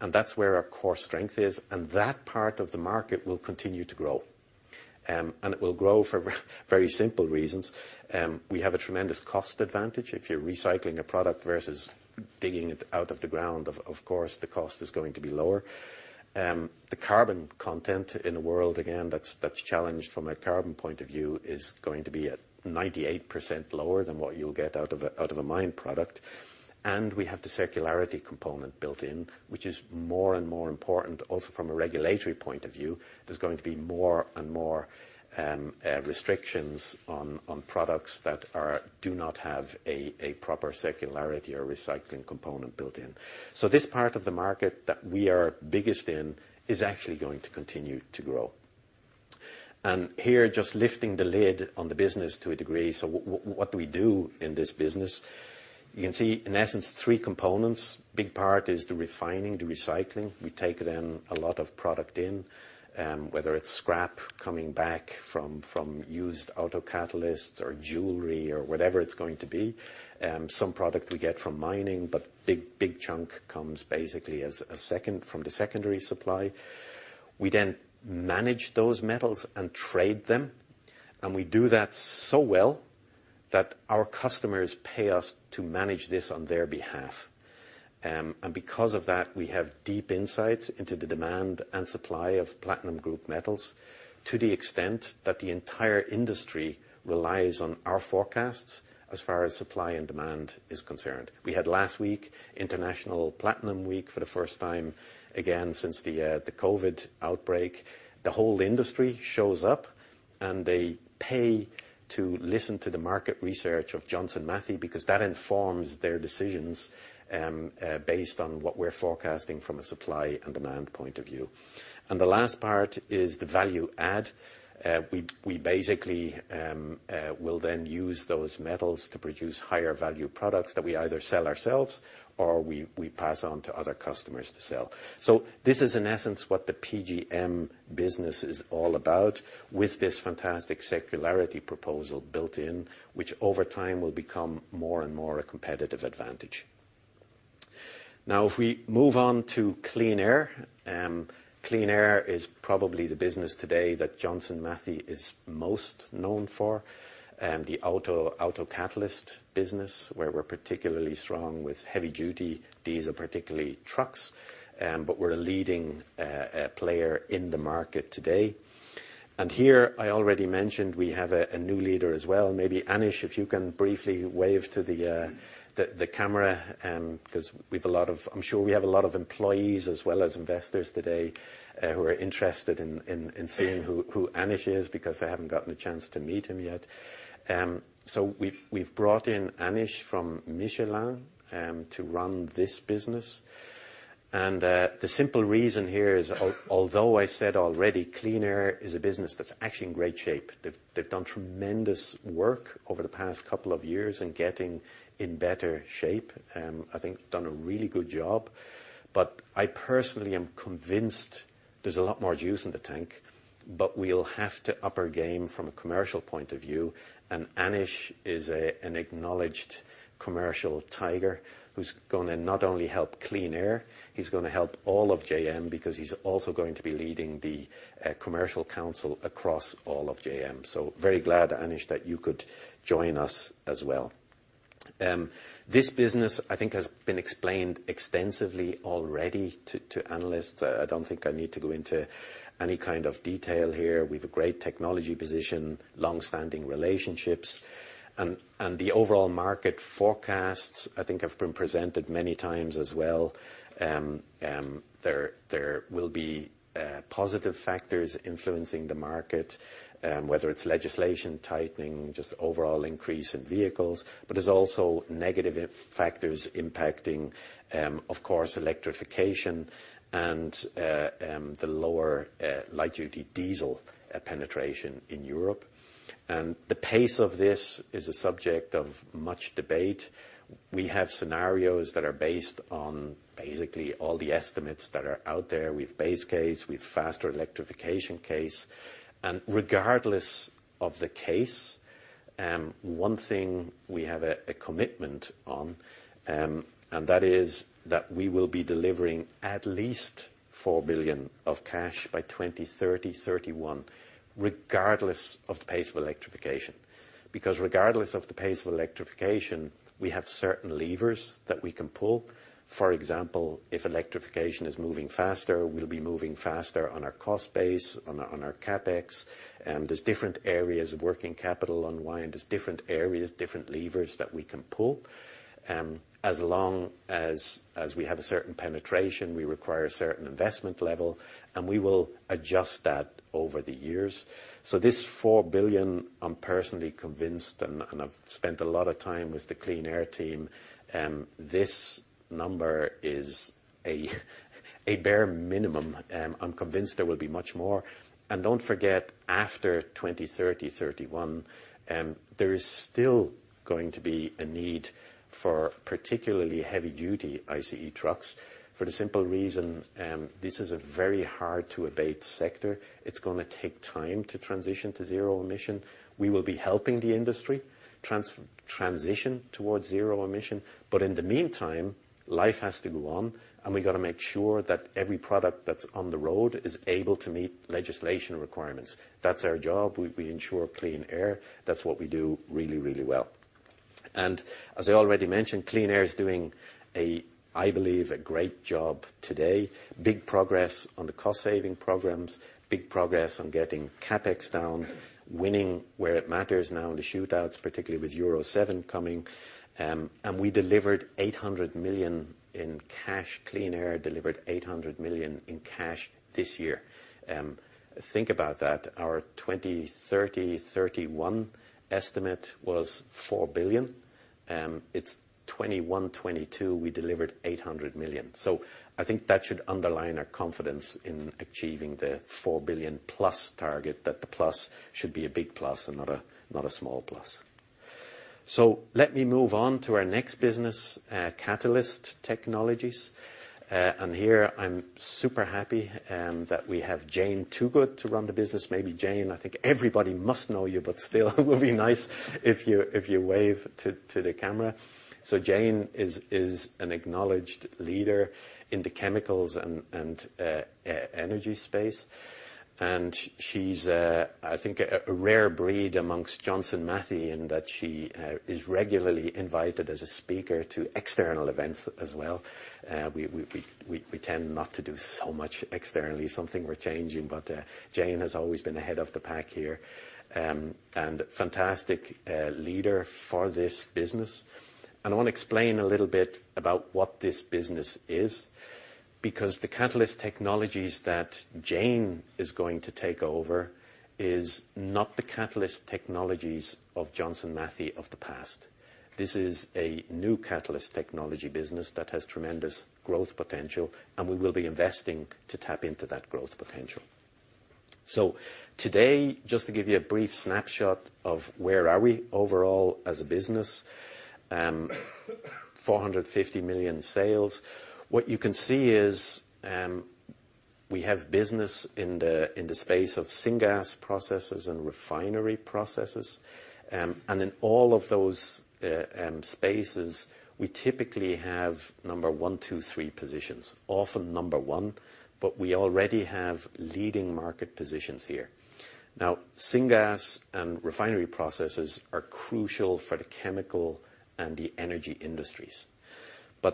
and that's where our core strength is, and that part of the market will continue to grow. It will grow for very simple reasons. We have a tremendous cost advantage. If you're recycling a product versus digging it out of the ground, of course, the cost is going to be lower. The carbon content in the world, again, that's challenged from a carbon point of view, is going to be at 98% lower than what you'll get out of a mine product. We have the circularity component built in, which is more and more important also from a regulatory point of view. There's going to be more and more restrictions on products that do not have a proper circularity or recycling component built in. This part of the market that we are biggest in is actually going to continue to grow. Here, just lifting the lid on the business to a degree. What do we do in this business? You can see in essence three components. Big part is the refining, the recycling. We take then a lot of product in, whether it's scrap coming back from used auto catalysts or jewelry or whatever it's going to be. Some product we get from mining, but big chunk comes basically from the secondary supply. We then manage those metals and trade them, and we do that so well that our customers pay us to manage this on their behalf. Because of that, we have deep insights into the demand and supply of platinum group metals to the extent that the entire industry relies on our forecasts as far as supply and demand is concerned. We had last week International Platinum Week for the first time, again, since the COVID outbreak. The whole industry shows up, and they pay to listen to the market research of Johnson Matthey, because that informs their decisions based on what we're forecasting from a supply and demand point of view. The last part is the value add. We basically will then use those metals to produce higher value products that we either sell ourselves or we pass on to other customers to sell. This is in essence what the PGM business is all about with this fantastic circularity proposal built in which over time will become more and more a competitive advantage. Now if we move on to Clean Air. Clean Air is probably the business today that Johnson Matthey is most known for, the auto catalyst business, where we're particularly strong with heavy duty diesel, particularly trucks, but we're a leading player in the market today. Here I already mentioned we have a new leader as well. Maybe Anish, if you can briefly wave to the camera, because I'm sure we have a lot of employees as well as investors today, who are interested in seeing who Anish is because they haven't gotten a chance to meet him yet. We've brought in Anish from Michelin to run this business. The simple reason here is although I said already, Clean Air is a business that's actually in great shape. They've done tremendous work over the past couple of years in getting in better shape. I think done a really good job. I personally am convinced there's a lot more juice in the tank, but we'll have to up our game from a commercial point of view, and Anish is an acknowledged commercial tiger who's gonna not only help Clean Air, he's gonna help all of JM because he's also going to be leading the commercial council across all of JM. Very glad, Anish, that you could join us as well. This business I think has been explained extensively already to analysts. I don't think I need to go into any kind of detail here. We've a great technology position, long-standing relationships. The overall market forecasts I think have been presented many times as well. There will be positive factors influencing the market, whether it's legislation tightening, just overall increase in vehicles. There's also negative factors impacting, of course, electrification and the lower light duty diesel penetration in Europe. The pace of this is a subject of much debate. We have scenarios that are based on basically all the estimates that are out there. We have base case, we have faster electrification case. Regardless of the case, one thing we have a commitment on, and that is that we will be delivering at least 4 billion of cash by 2030-2031, regardless of the pace of electrification. Because regardless of the pace of electrification, we have certain levers that we can pull. For example, if electrification is moving faster, we'll be moving faster on our cost base, on our CapEx. There are different areas of working capital unwind, different levers that we can pull. As long as we have a certain penetration, we require a certain investment level, and we will adjust that over the years. This 4 billion, I'm personally convinced, and I've spent a lot of time with the Clean Air team, this number is a bare minimum. I'm convinced there will be much more. Don't forget, after 2030, 2031, there is still going to be a need for particularly heavy duty ICE trucks for the simple reason, this is a very hard to abate sector. It's gonna take time to transition to zero emission. We will be helping the industry transition towards zero emission. In the meantime, life has to go on, and we gotta make sure that every product that's on the road is able to meet legislation requirements. That's our job. We ensure clean air. That's what we do really, really well. As I already mentioned, Clean Air is doing, I believe, a great job today. Big progress on the cost saving programs, big progress on getting CapEx down, winning where it matters now in the shootouts, particularly with Euro 7 coming. We delivered 800 million in cash. Clean Air delivered 800 million in cash this year. Think about that. Our 2030-2031 estimate was 4 billion. It's 2021-2022, we delivered 800 million. I think that should underline our confidence in achieving the 4 billion plus target, that the plus should be a big plus and not a small plus. Let me move on to our next business, Catalyst Technologies. Here I'm super happy that we have Jane Toogood to run the business. Maybe Jane, I think everybody must know you, but still it would be nice if you wave to the camera. Jane is an acknowledged leader in the chemicals and energy space. She's, I think a rare breed amongst Johnson Matthey in that she is regularly invited as a speaker to external events as well. We tend not to do so much externally. Something we're changing, but Jane has always been ahead of the pack here, and fantastic leader for this business. I wanna explain a little bit about what this business is because the Catalyst Technologies that Jane is going to take over is not the Catalyst Technologies of Johnson Matthey of the past. This is a new Catalyst Technologies business that has tremendous growth potential, and we will be investing to tap into that growth potential. Today, just to give you a brief snapshot of where are we overall as a business, 450 million sales. What you can see is, we have business in the space of syngas processes and refinery processes. In all of those spaces, we typically have number one, two, three positions. Often number one, but we already have leading market positions here. Now, syngas and refinery processes are crucial for the chemical and the energy industries.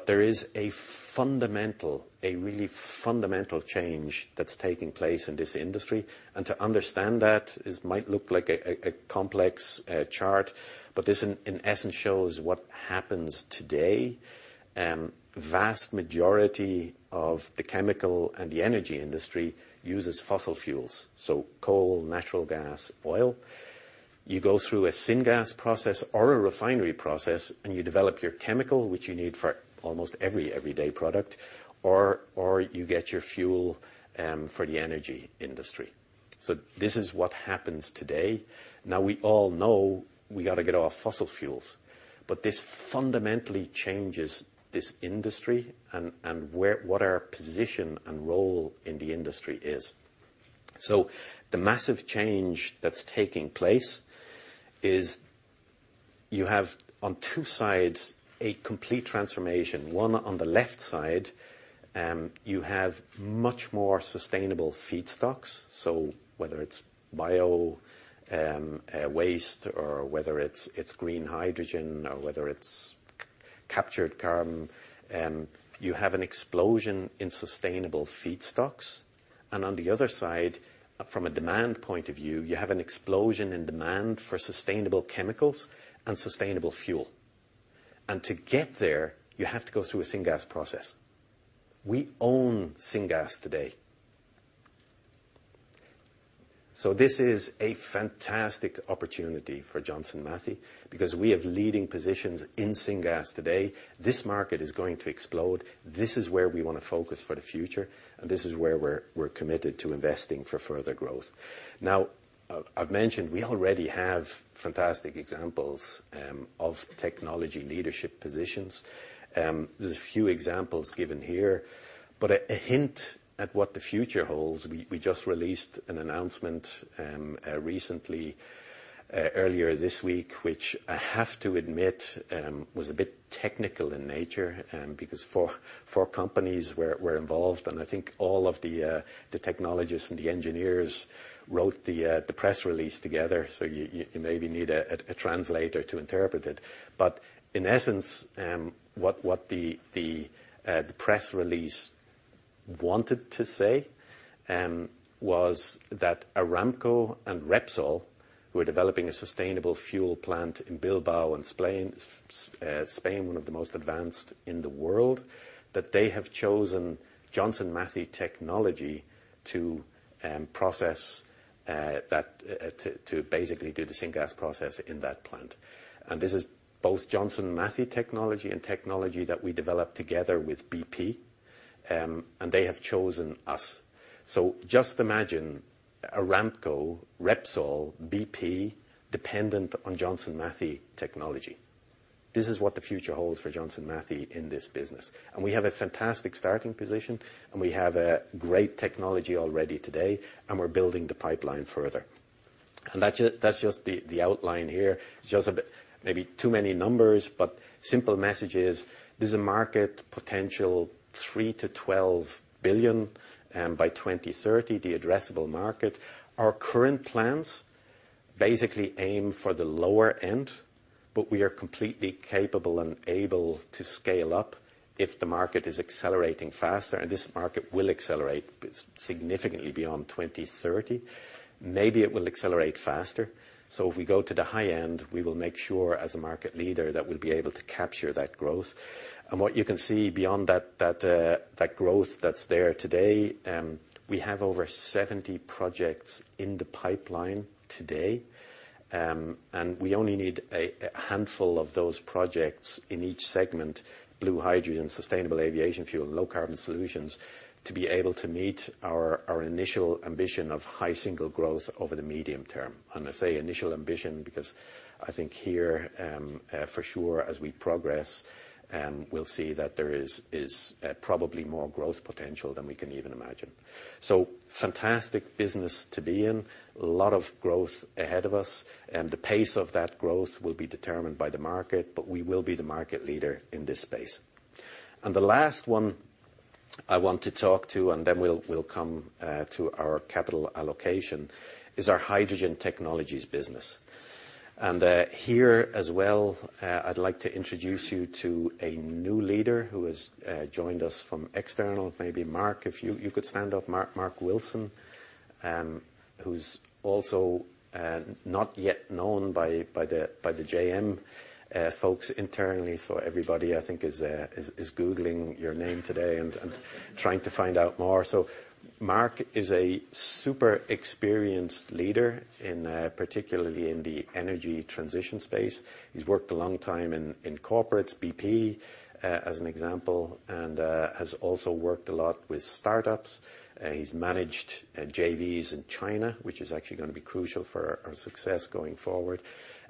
There is a fundamental, a really fundamental change that's taking place in this industry. To understand that might look like a complex chart, but this in essence shows what happens today. Vast majority of the chemical and the energy industry uses fossil fuels, so coal, natural gas, oil. You go through a syngas process or a refinery process, and you develop your chemical, which you need for almost every everyday product, or you get your fuel, for the energy industry. This is what happens today. Now, we all know we gotta get off fossil fuels, but this fundamentally changes this industry and what our position and role in the industry is. The massive change that's taking place is you have on two sides a complete transformation. One on the left side, you have much more sustainable feedstocks. Whether it's bio, waste or whether it's green hydrogen or whether it's captured carbon, you have an explosion in sustainable feedstocks. On the other side, from a demand point of view, you have an explosion in demand for sustainable chemicals and sustainable fuel. To get there, you have to go through a syngas process. We own syngas today. This is a fantastic opportunity for Johnson Matthey because we have leading positions in syngas today. This market is going to explode. This is where we wanna focus for the future, and this is where we're committed to investing for further growth. Now, I've mentioned we already have fantastic examples of technology leadership positions. There's a few examples given here. A hint at what the future holds, we just released an announcement recently earlier this week, which I have to admit was a bit technical in nature because four companies were involved, and I think all of the technologists and the engineers wrote the press release together. You maybe need a translator to interpret it. In essence, what the press release wanted to say was that Aramco and Repsol, who are developing a sustainable fuel plant in Bilbao, in Spain, one of the most advanced in the world, that they have chosen Johnson Matthey technology to basically do the syngas process in that plant. This is both Johnson Matthey technology and technology that we developed together with BP, and they have chosen us. Just imagine Aramco, Repsol, BP dependent on Johnson Matthey technology. This is what the future holds for Johnson Matthey in this business. We have a fantastic starting position, and we have a great technology already today, and we're building the pipeline further. That's just the outline here. Just a bit maybe too many numbers, but simple message is there's a market potential of 3 billion-12 billion by 2030, the addressable market. Our current plans basically aim for the lower end, but we are completely capable and able to scale up if the market is accelerating faster, and this market will accelerate significantly beyond 2030. Maybe it will accelerate faster. If we go to the high end, we will make sure as a market leader that we'll be able to capture that growth. What you can see beyond that growth that's there today, we have over 70 projects in the pipeline today. We only need a handful of those projects in each segment, blue hydrogen, sustainable aviation fuel, low-carbon solutions, to be able to meet our initial ambition of high single growth over the medium term. I say initial ambition because I think here, for sure as we progress, we'll see that there is probably more growth potential than we can even imagine. Fantastic business to be in. A lot of growth ahead of us, and the pace of that growth will be determined by the market, but we will be the market leader in this space. The last one I want to talk to, and then we'll come to our capital allocation, is our Hydrogen Technologies business. Here as well, I'd like to introduce you to a new leader who has joined us from external. Maybe Mark, if you could stand up. Mark Wilson, who's also not yet known by the JM folks internally, so everybody I think is googling your name today and trying to find out more. Mark is a super experienced leader in particularly in the energy transition space. He's worked a long time in corporates, BP as an example, and has also worked a lot with startups. He's managed JVs in China, which is actually gonna be crucial for our success going forward,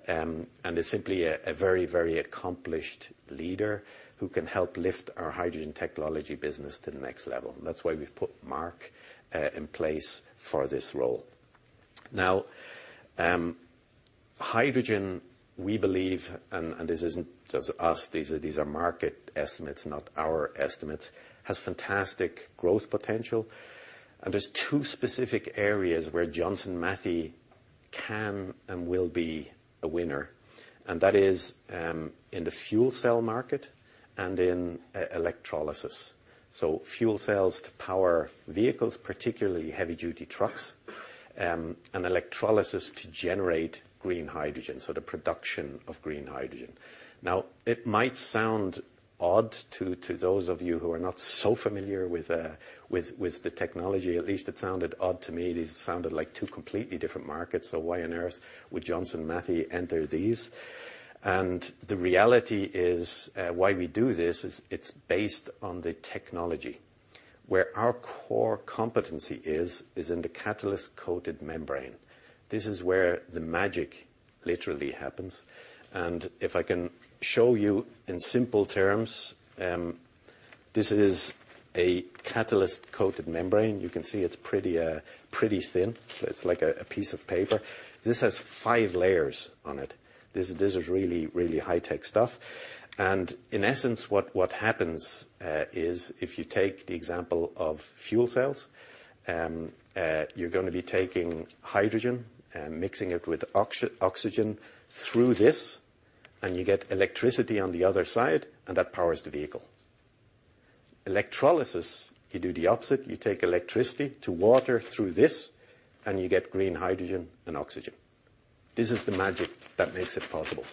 and is simply a very accomplished leader who can help lift our Hydrogen Technologies business to the next level. That's why we've put Mark in place for this role. Now, hydrogen, we believe, and this isn't just us, these are market estimates not our estimates, has fantastic growth potential. There's two specific areas where Johnson Matthey can and will be a winner, and that is in the fuel cell market and in electrolysis. Fuel cells to power vehicles, particularly heavy duty trucks, and electrolysis to generate green hydrogen, so the production of green hydrogen. Now it might sound odd to those of you who are not so familiar with the technology. At least it sounded odd to me. These sounded like two completely different markets, so why on earth would Johnson Matthey enter these? The reality is why we do this is it's based on the technology. Where our core competency is in the catalyst-coated membrane. This is where the magic literally happens. If I can show you in simple terms, this is a catalyst-coated membrane. You can see it's pretty thin. It's like a piece of paper. This has five layers on it. This is really high-tech stuff. In essence, what happens is if you take the example of fuel cells, you're gonna be taking hydrogen and mixing it with oxygen through this and you get electricity on the other side, and that powers the vehicle. Electrolysis, you do the opposite. You take electricity and water through this, and you get green hydrogen and oxygen. This is the magic that makes it possible.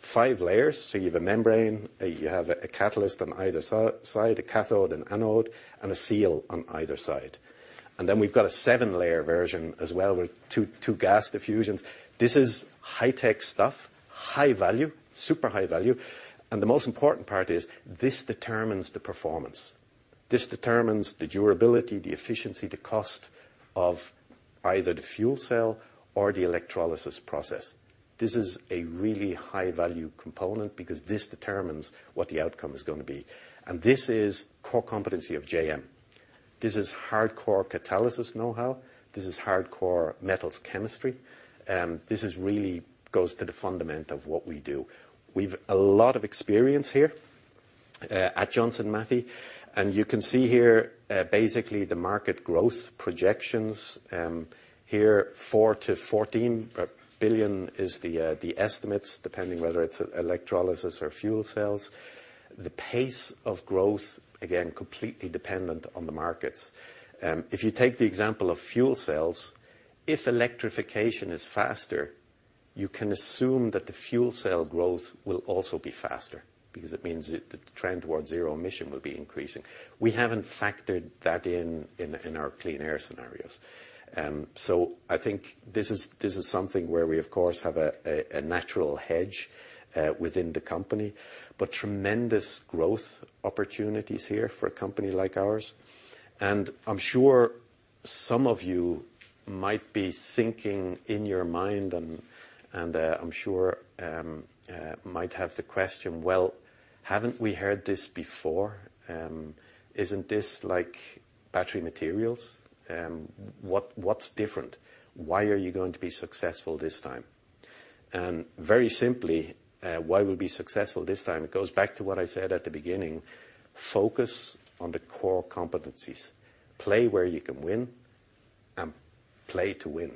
Five layers. You have a membrane, you have a catalyst on either side, a cathode, an anode, and a seal on either side. Then we've got a seven-layer version as well with two gas diffusions. This is high-tech stuff, high value, super high value. The most important part is this determines the performance. This determines the durability, the efficiency, the cost of either the fuel cell or the electrolysis process. This is a really high value component because this determines what the outcome is gonna be. This is core competency of JM. This is hardcore catalysis know-how. This is hardcore metals chemistry. This really goes to the fundamentals of what we do. We've a lot of experience here at Johnson Matthey, and you can see here basically the market growth projections here $4 billion-14 billion is the estimates, depending whether it's electrolysis or fuel cells. The pace of growth, again, completely dependent on the markets. If you take the example of fuel cells, if electrification is faster, you can assume that the fuel cell growth will also be faster because it means the trend towards zero emission will be increasing. We haven't factored that in our Clean Air scenarios. I think this is something where we of course have a natural hedge within the company, but tremendous growth opportunities here for a company like ours. I'm sure some of you might be thinking in your mind, might have the question: Well, haven't we heard this before? Isn't this like battery materials? What's different? Why are you going to be successful this time? Very simply, why we'll be successful this time, it goes back to what I said at the beginning, focus on the core competencies. Play where you can win and play to win.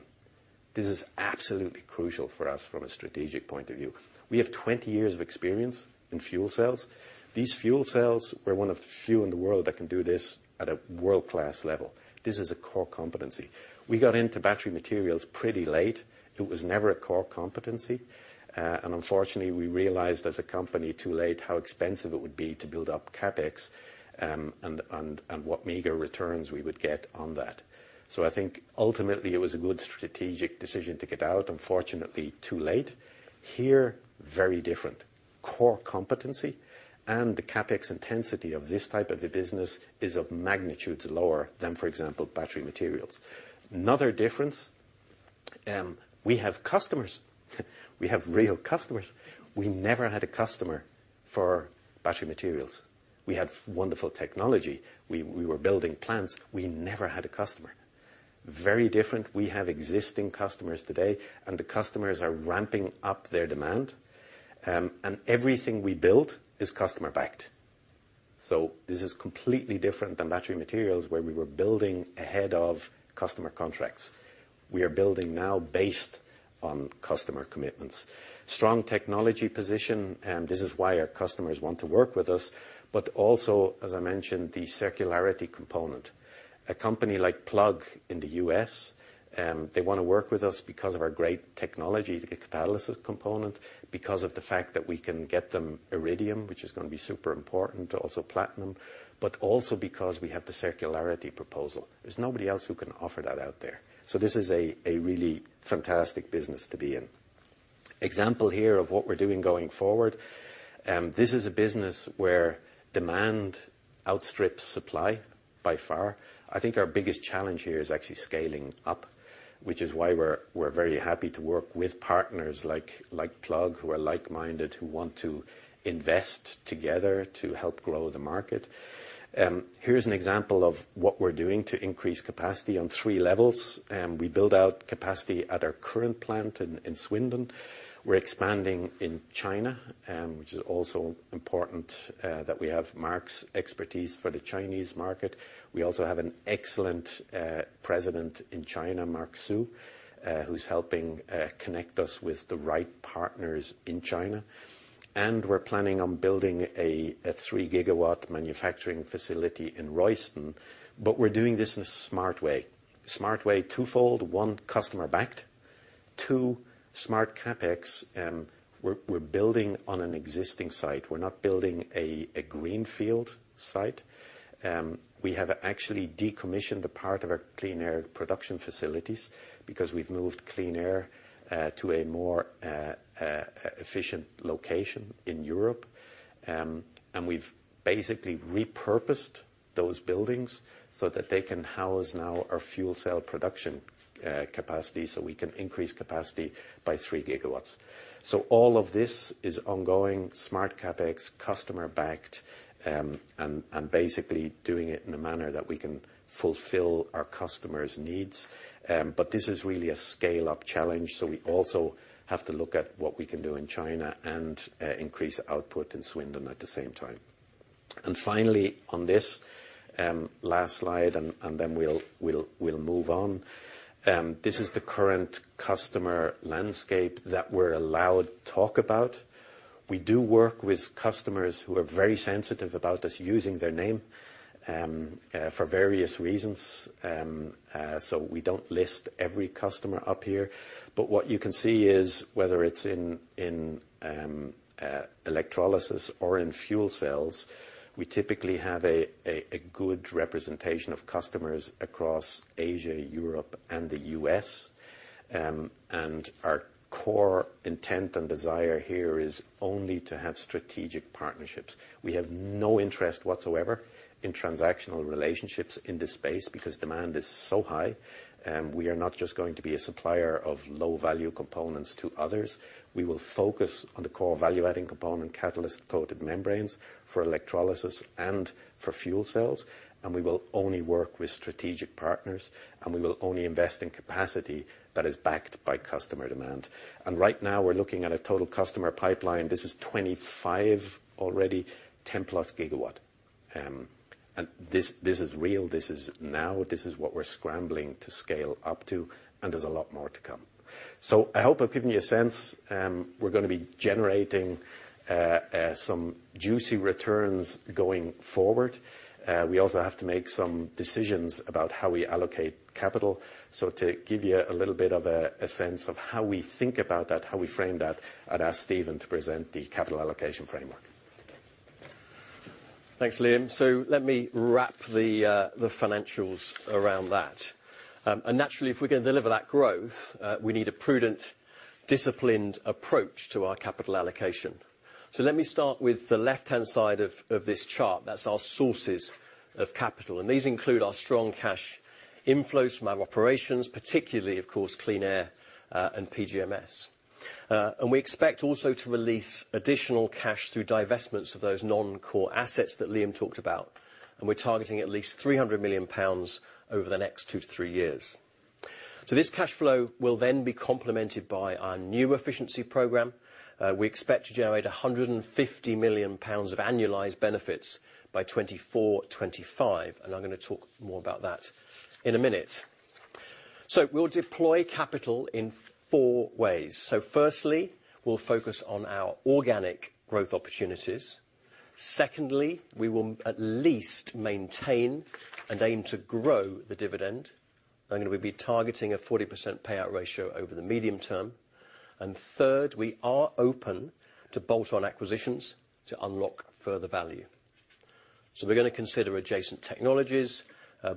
This is absolutely crucial for us from a strategic point of view. We have 20 years of experience in fuel cells. These fuel cells, we're one of the few in the world that can do this at a world-class level. This is a core competency. We got into battery materials pretty late. It was never a core competency. Unfortunately, we realized as a company too late how expensive it would be to build up CapEx, and what meager returns we would get on that. I think ultimately it was a good strategic decision to get out, unfortunately too late. Here, very different. Core competency and the CapEx intensity of this type of a business is of magnitudes lower than, for example, battery materials. Another difference, we have customers. We have real customers. We never had a customer for battery materials. We had wonderful technology. We were building plants. We never had a customer. Very different. We have existing customers today, and the customers are ramping up their demand. Everything we built is customer backed. This is completely different than battery materials where we were building ahead of customer contracts. We are building now based on customer commitments. Strong technology position, and this is why our customers want to work with us, but also, as I mentioned, the circularity component. A company like Plug in the U.S., they wanna work with us because of our great technology to get the catalyst component, because of the fact that we can get them iridium, which is gonna be super important, also platinum. But also because we have the circularity proposal. There's nobody else who can offer that out there. This is a really fantastic business to be in. Example here of what we're doing going forward, this is a business where demand outstrips supply by far. I think our biggest challenge here is actually scaling up, which is why we're very happy to work with partners like Plug, who are like-minded, who want to invest together to help grow the market. Here's an example of what we're doing to increase capacity on three levels. We build out capacity at our current plant in Swindon. We're expanding in China, which is also important that we have Mark's expertise for the Chinese market. We also have an excellent President in China, Mark Su, who's helping connect us with the right partners in China. We're planning on building a 3 GW manufacturing facility in Royston, but we're doing this in a smart way. Smart way, twofold. One, customer backed. Two, smart CapEx, we're building on an existing site. We're not building a greenfield site. We have actually decommissioned a part of our Clean Air production facilities because we've moved Clean Air to a more efficient location in Europe. We've basically repurposed those buildings so that they can house now our fuel cell production capacity, so we can increase capacity by 3 GW. All of this is ongoing, smart CapEx, customer backed, and basically doing it in a manner that we can fulfill our customers' needs. This is really a scale-up challenge, so we also have to look at what we can do in China and increase output in Swindon at the same time. Finally, on this last slide, then we'll move on. This is the current customer landscape that we're allowed to talk about. We do work with customers who are very sensitive about us using their name, for various reasons. We don't list every customer up here. What you can see is whether it's in electrolysis or in fuel cells, we typically have a good representation of customers across Asia, Europe, and the US. Our core intent and desire here is only to have strategic partnerships. We have no interest whatsoever in transactional relationships in this space because demand is so high, and we are not just going to be a supplier of low value components to others. We will focus on the core value-adding component, catalyst-coated membranes for electrolysis and for fuel cells, and we will only work with strategic partners, and we will only invest in capacity that is backed by customer demand. Right now, we're looking at a total customer pipeline. This is 25 already, 10+ GW. This is real. This is now. This is what we're scrambling to scale up to, and there's a lot more to come. I hope I've given you a sense. We're gonna be generating some juicy returns going forward. We also have to make some decisions about how we allocate capital. To give you a little bit of a sense of how we think about that, how we frame that, I'd ask Stephen to present the capital allocation framework. Thanks, Liam. Let me wrap the financials around that. Naturally, if we're gonna deliver that growth, we need a prudent, disciplined approach to our capital allocation. Let me start with the left-hand side of this chart. That's our sources of capital, and these include our strong cash inflows from our operations, particularly, of course, Clean Air and PGMS. We expect also to release additional cash through divestments of those non-core assets that Liam talked about, and we're targeting at least 300 million pounds over the next two to three years. This cash flow will then be complemented by our new efficiency program. We expect to generate 150 million pounds of annualized benefits by 2024, 2025. I'm gonna talk more about that in a minute. We'll deploy capital in four ways. Firstly, we'll focus on our organic growth opportunities. Secondly, we will at least maintain and aim to grow the dividend, and we'll be targeting a 40% payout ratio over the medium term. Third, we are open to bolt-on acquisitions to unlock further value. We're gonna consider adjacent technologies,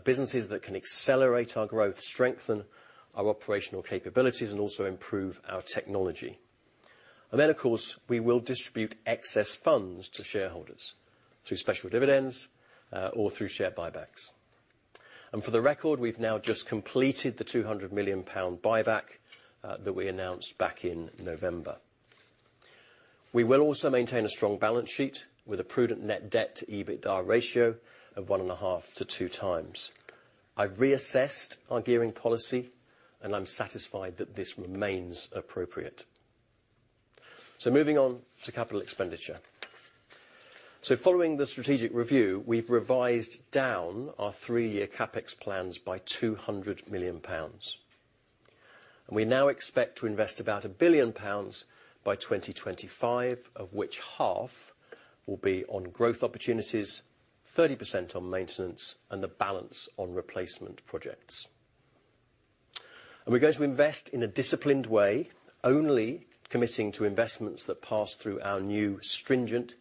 businesses that can accelerate our growth, strengthen our operational capabilities, and also improve our technology. Then, of course, we will distribute excess funds to shareholders through special dividends, or through share buybacks. For the record, we've now just completed the 200 million pound buyback, that we announced back in November. We will also maintain a strong balance sheet with a prudent net debt to EBITDA ratio of 1.5x-2x. I've reassessed our gearing policy, and I'm satisfied that this remains appropriate. Moving on to capital expenditure. Following the strategic review, we've revised down our three-year CapEx plans by 200 million pounds. We now expect to invest about 1 billion pounds by 2025, of which half will be on growth opportunities, 30% on maintenance, and the balance on replacement projects. We're going to invest in a disciplined way, only committing to investments that pass through our new stringent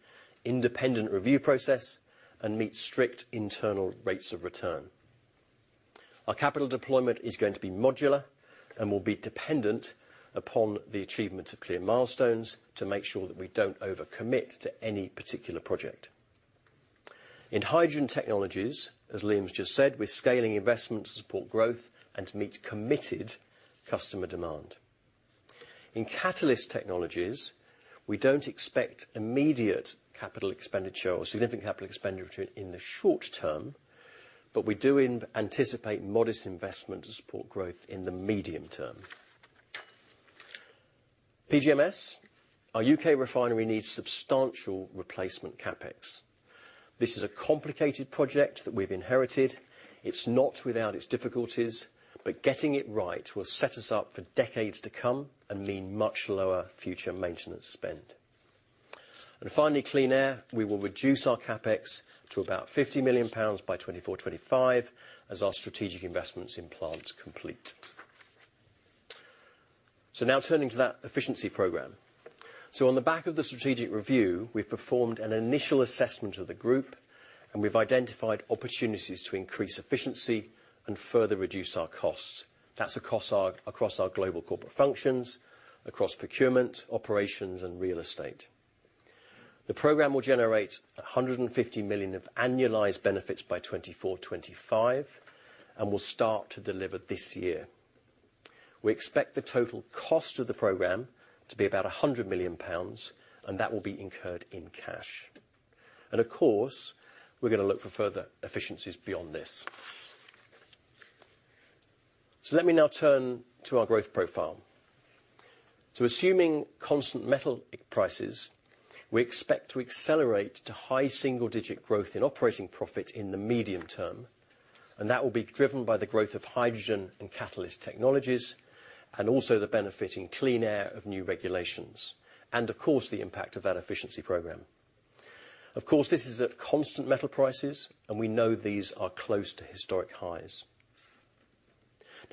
independent review process and meet strict internal rates of return. Our capital deployment is going to be modular and will be dependent upon the achievement of clear milestones to make sure that we don't over-commit to any particular project. In Hydrogen Technologies, as Liam's just said, we're scaling investments to support growth and to meet committed customer demand. In Catalyst Technologies, we don't expect immediate capital expenditure or significant capital expenditure in the short term, but we do anticipate modest investment to support growth in the medium term. PGMS, our U.K. refinery needs substantial replacement CapEx. This is a complicated project that we've inherited. It's not without its difficulties, but getting it right will set us up for decades to come and mean much lower future maintenance spend. Clean Air, we will reduce our CapEx to about 50 million pounds by 2024-2025 as our strategic investments in plant complete. Now turning to that efficiency program. On the back of the strategic review, we've performed an initial assessment of the group, and we've identified opportunities to increase efficiency and further reduce our costs. That's across our global corporate functions, across procurement, operations, and real estate. The program will generate 150 million of annualized benefits by 2024, 2025 and will start to deliver this year. We expect the total cost of the program to be about 100 million pounds, and that will be incurred in cash. Of course, we're gonna look for further efficiencies beyond this. Let me now turn to our growth profile. Assuming constant metal prices, we expect to accelerate to high single-digit growth in operating profit in the medium term, and that will be driven by the growth of Hydrogen Technologies and Catalyst Technologies and also the benefit in Clean Air of new regulations. Of course, the impact of that efficiency program. Of course, this is at constant metal prices, and we know these are close to historic highs.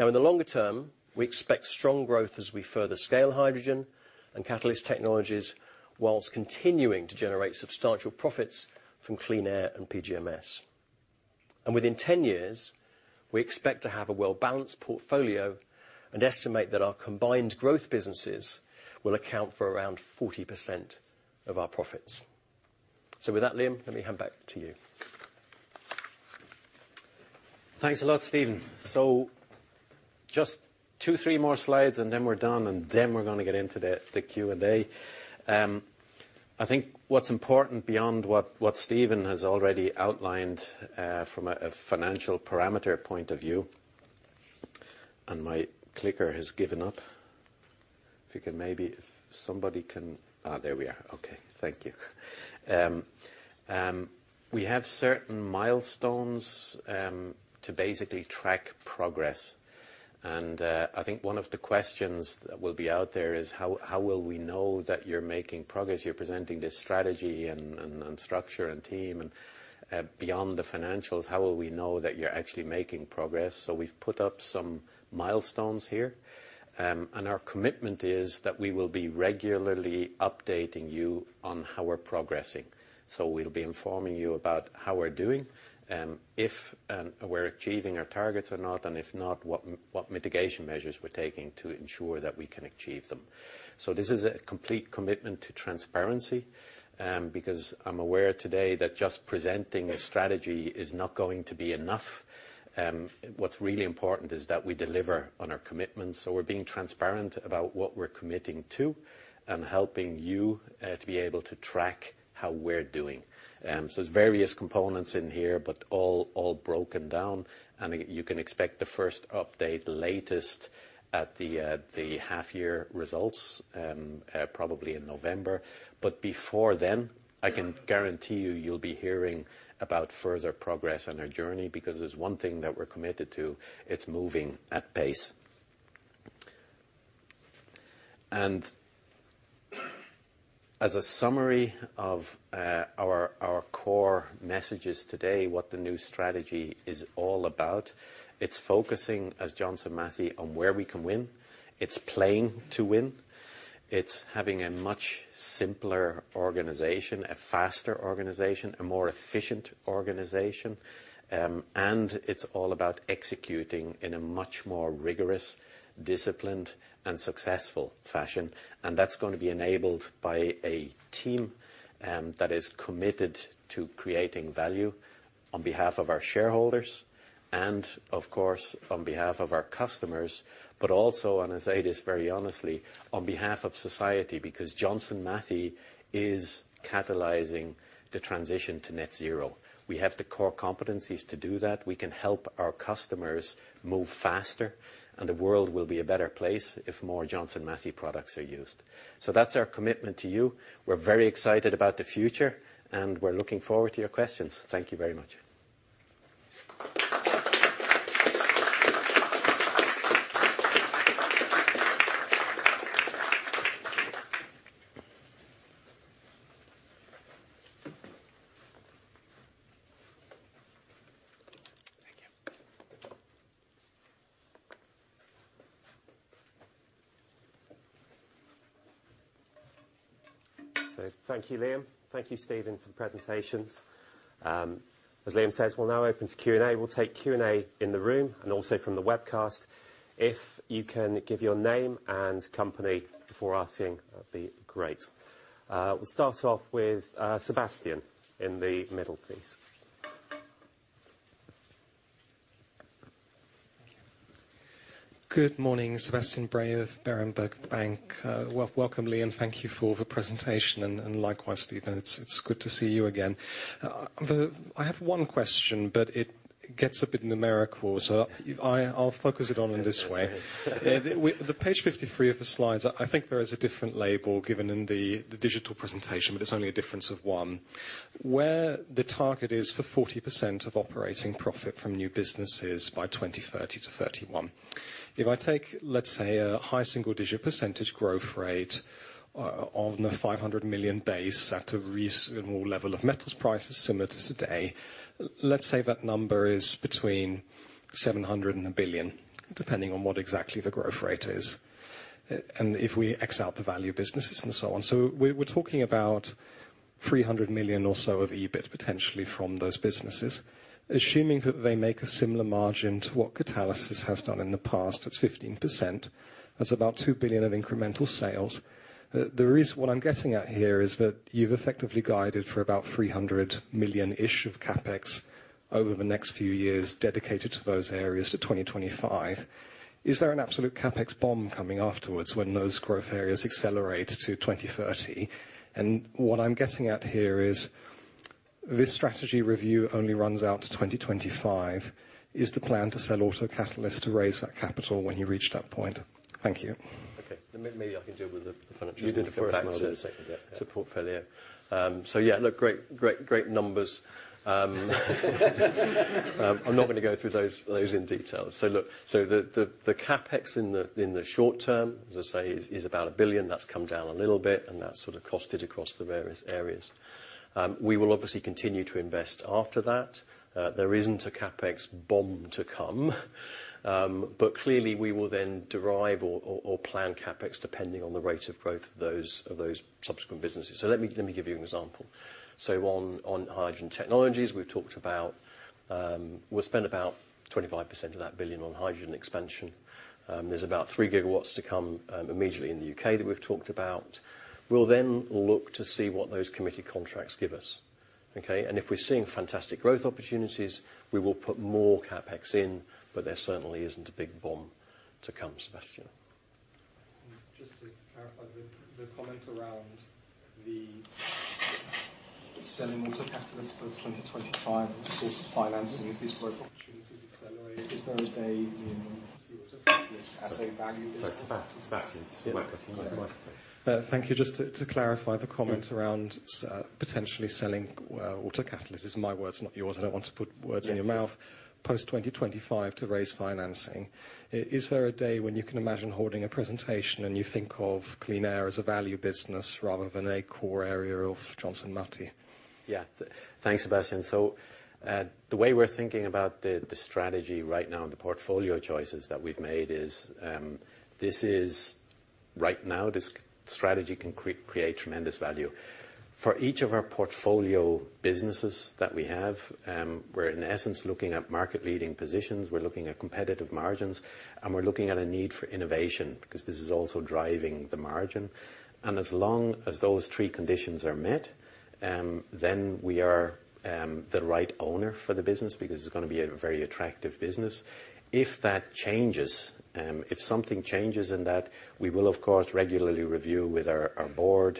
In the longer term, we expect strong growth as we further scale Hydrogen Technologies and Catalyst Technologies while continuing to generate substantial profits from Clean Air and PGMS. Within 10 years, we expect to have a well-balanced portfolio and estimate that our combined growth businesses will account for around 40% of our profits. With that, Liam, let me hand back to you. Thanks a lot, Stephen. Just two, three more slides, and then we're done, and then we're gonna get into the Q&A. I think what's important beyond what Stephen has already outlined, from a financial parameter point of view. My clicker has given up. If somebody can. There we are. Okay, thank you. We have certain milestones to basically track progress. I think one of the questions that will be out there is how will we know that you're making progress. You're presenting this strategy and structure and team and, beyond the financials, how will we know that you're actually making progress. We've put up some milestones here. Our commitment is that we will be regularly updating you on how we're progressing. We'll be informing you about how we're doing, if we're achieving our targets or not, and if not, what mitigation measures we're taking to ensure that we can achieve them. This is a complete commitment to transparency, because I'm aware today that just presenting a strategy is not going to be enough. What's really important is that we deliver on our commitments. We're being transparent about what we're committing to and helping you to be able to track how we're doing. There's various components in here, but all broken down, and you can expect the first update latest at the half-year results, probably in November. Before then, I can guarantee you'll be hearing about further progress on our journey because there's one thing that we're committed to, it's moving at pace. As a summary of our core messages today, what the new strategy is all about, it's focusing, as Johnson Matthey, on where we can win. It's playing to win. It's having a much simpler organization, a faster organization, a more efficient organization. It's all about executing in a much more rigorous, disciplined, and successful fashion. That's gonna be enabled by a team that is committed to creating value on behalf of our shareholders and of course, on behalf of our customers. Also, and I say this very honestly, on behalf of society, because Johnson Matthey is catalyzing the transition to net zero. We have the core competencies to do that. We can help our customers move faster, and the world will be a better place if more Johnson Matthey products are used. That's our commitment to you. We're very excited about the future, and we're looking forward to your questions. Thank you very much. Thank you. Thank you, Liam. Thank you, Stephen, for the presentations. As Liam says, we'll now open to Q&A. We'll take Q&A in the room and also from the webcast. If you can give your name and company before asking, that'd be great. We'll start off with Sebastian in the middle, please. Thank you. Good morning. Sebastian Bray of Berenberg Bank. Welcome, Liam, thank you for the presentation, and likewise, Stephen, it's good to see you again. I have one question, but it gets a bit numerical, so I'll focus it on in this way. That's okay. On page 53 of the slides, I think there is a different label given in the digital presentation, but it's only a difference of one, where the target is for 40% of operating profit from new businesses by 2030-2031. If I take, let's say, a high single digit percentage growth rate on the 500 million base at a reasonable level of metals prices similar to today, let's say that number is between 700 million and 1 billion, depending on what exactly the growth rate is, and if we x out the value of businesses and so on. We're talking about 300 million or so of EBIT potentially from those businesses. Assuming that they make a similar margin to what Catalyst has done in the past, that's 15%. That's about 2 billion of incremental sales. What I'm getting at here is that you've effectively guided for about 300 million-ish of CapEx over the next few years dedicated to those areas to 2025. Is there an absolute CapEx bomb coming afterwards when those growth areas accelerate to 2030? What I'm getting at here is this strategy review only runs out to 2025. Is the plan to sell Auto Catalysts to raise that capital when you reach that point? Thank you. Okay. Maybe I can deal with the financial side first. You did the first one. the second bit. To portfolio. Yeah, look, great numbers. I'm not gonna go through those in detail. Look, the CapEx in the short term, as I say, is about 1 billion. That's come down a little bit, and that's sort of costed across the various areas. We will obviously continue to invest after that. There isn't a CapEx bomb to come. Clearly, we will then derive or plan CapEx depending on the rate of growth of those subsequent businesses. Let me give you an example. On Hydrogen Technologies, we've talked about we'll spend about 25% of that billion on hydrogen expansion. There's about 3 GW to come immediately in the U.K. that we've talked about. We'll then look to see what those committed contracts give us, okay? If we're seeing fantastic growth opportunities, we will put more CapEx in, but there certainly isn't a big boom to come, Sebastian. Just to clarify the comment around the selling Auto Catalysts post-2025 to source financing if these growth opportunities accelerate. Is there a day when you see Auto Catalysts as a value business? Sorry. Sebastian. Yeah. Mic. Thank you. Just to clarify the comment around potentially selling auto catalysts. These are my words, not yours. I don't want to put words- Yeah. In your mouth. Post-2025 to raise financing. Is there a day when you can imagine holding a presentation and you think of Clean Air as a value business rather than a core area of Johnson Matthey? Yeah. Thanks, Sebastian. The way we're thinking about the strategy right now and the portfolio choices that we've made is, right now, this strategy can create tremendous value. For each of our portfolio businesses that we have, we're in essence looking at market leading positions, we're looking at competitive margins, and we're looking at a need for innovation, because this is also driving the margin. As long as those three conditions are met, then we are the right owner for the business because it's gonna be a very attractive business. If that changes, if something changes in that, we will of course regularly review with our board,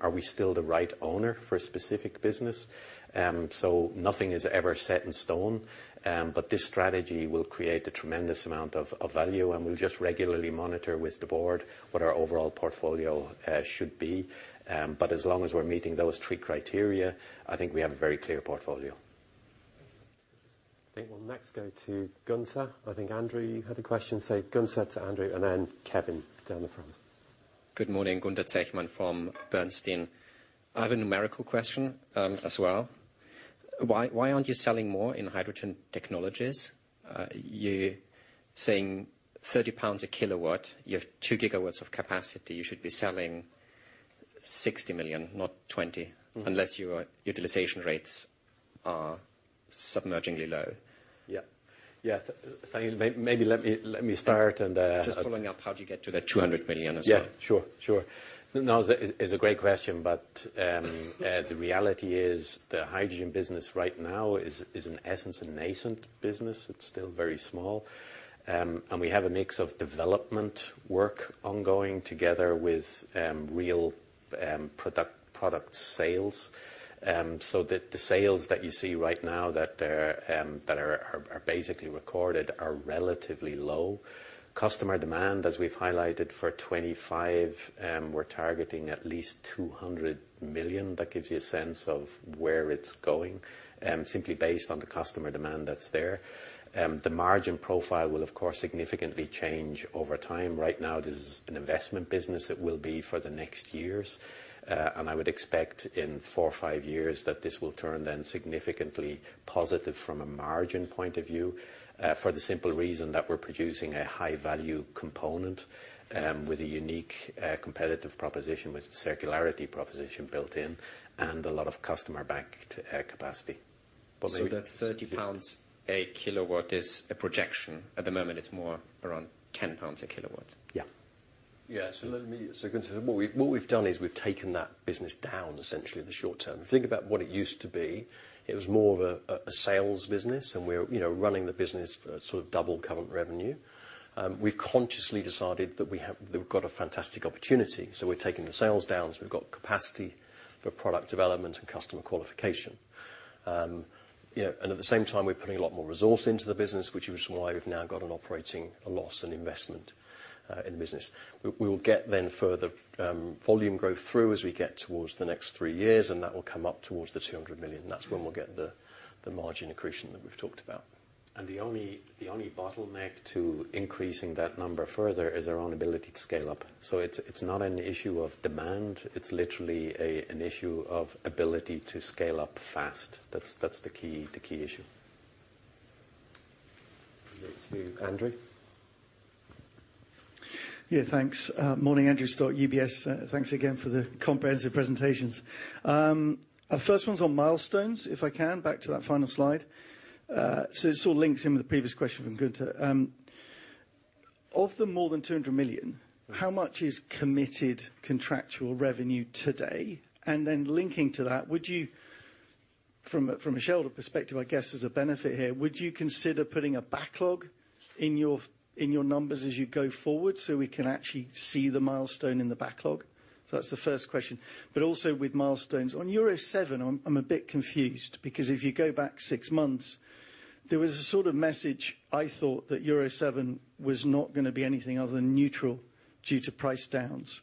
are we still the right owner for a specific business? Nothing is ever set in stone, this strategy will create a tremendous amount of value, and we'll just regularly monitor with the board what our overall portfolio should be. As long as we're meeting those three criteria, I think we have a very clear portfolio. I think we'll next go to Gunther. I think Andrew, you had a question. Gunther to Andrew, and then Kevin down the front. Good morning. Gunther Zechmann from Bernstein. I have a numerical question as well. Why aren't you selling more in Hydrogen Technologies? You're saying 30 pounds a kilowatt. You have 2 GW of capacity. You should be selling 60 million, not 20 million. Mm-hmm. Unless your utilization rates are staggeringly low. Yeah. Yeah. Thank you, maybe let me start and Just following up, how'd you get to the 200 million as well? Yeah, sure. Sure. No, it's a great question. The reality is the hydrogen business right now is in essence a nascent business. It's still very small. We have a mix of development work ongoing together with real product sales. The sales that you see right now that are basically recorded are relatively low. Customer demand, as we've highlighted for 2025, we're targeting at least 200 million. That gives you a sense of where it's going, simply based on the customer demand that's there. The margin profile will of course significantly change over time. Right now this is an investment business. It will be for the next years. I would expect in four or five years that this will turn then significantly positive from a margin point of view, for the simple reason that we're producing a high value component with a unique competitive proposition, with a circularity proposition built in, and a lot of customer buy-in to capacity. But maybe. The 30 pounds a kilowatt is a projection. At the moment, it's more around 10 pounds a kilowatt? Yeah. Yeah. Gunther, what we've done is we've taken that business down essentially in the short term. If you think about what it used to be, it was more of a sales business and we were, you know, running the business for sort of double current revenue. You know, and at the same time, we're putting a lot more resource into the business, which is why we've now got an operating loss and investment in the business. We will get then further volume growth through as we get towards the next three years, and that will come up towards the 200 million. That's when we'll get the margin accretion that we've talked about. The only bottleneck to increasing that number further is our own ability to scale up. It's not an issue of demand. It's literally an issue of ability to scale up fast. That's the key issue. Over to Andrew. Yeah, thanks. Morning. Andrew Stott, UBS. Thanks again for the comprehensive presentations. Our first one's on milestones, if I can, back to that final slide. So it sort of links in with the previous question from Gunther. Of the more than 200 million, how much is committed contractual revenue today? And then linking to that, would you from a, from a shareholder perspective, I guess there's a benefit here, would you consider putting a backlog in your numbers as you go forward so we can actually see the milestone in the backlog? So that's the first question. Also with milestones. On Euro 7, I'm a bit confused because if you go back six months, there was a sort of message, I thought, that Euro 7 was not gonna be anything other than neutral due to price downs.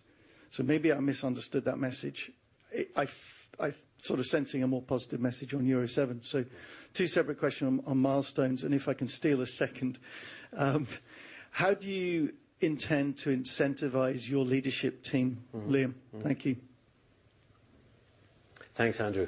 Maybe I misunderstood that message. I'm sort of sensing a more positive message on Euro 7. Two separate questions on milestones. If I can steal a second, how do you intend to incentivize your leadership team, Liam? Mm-hmm. Thank you. Thanks, Andrew.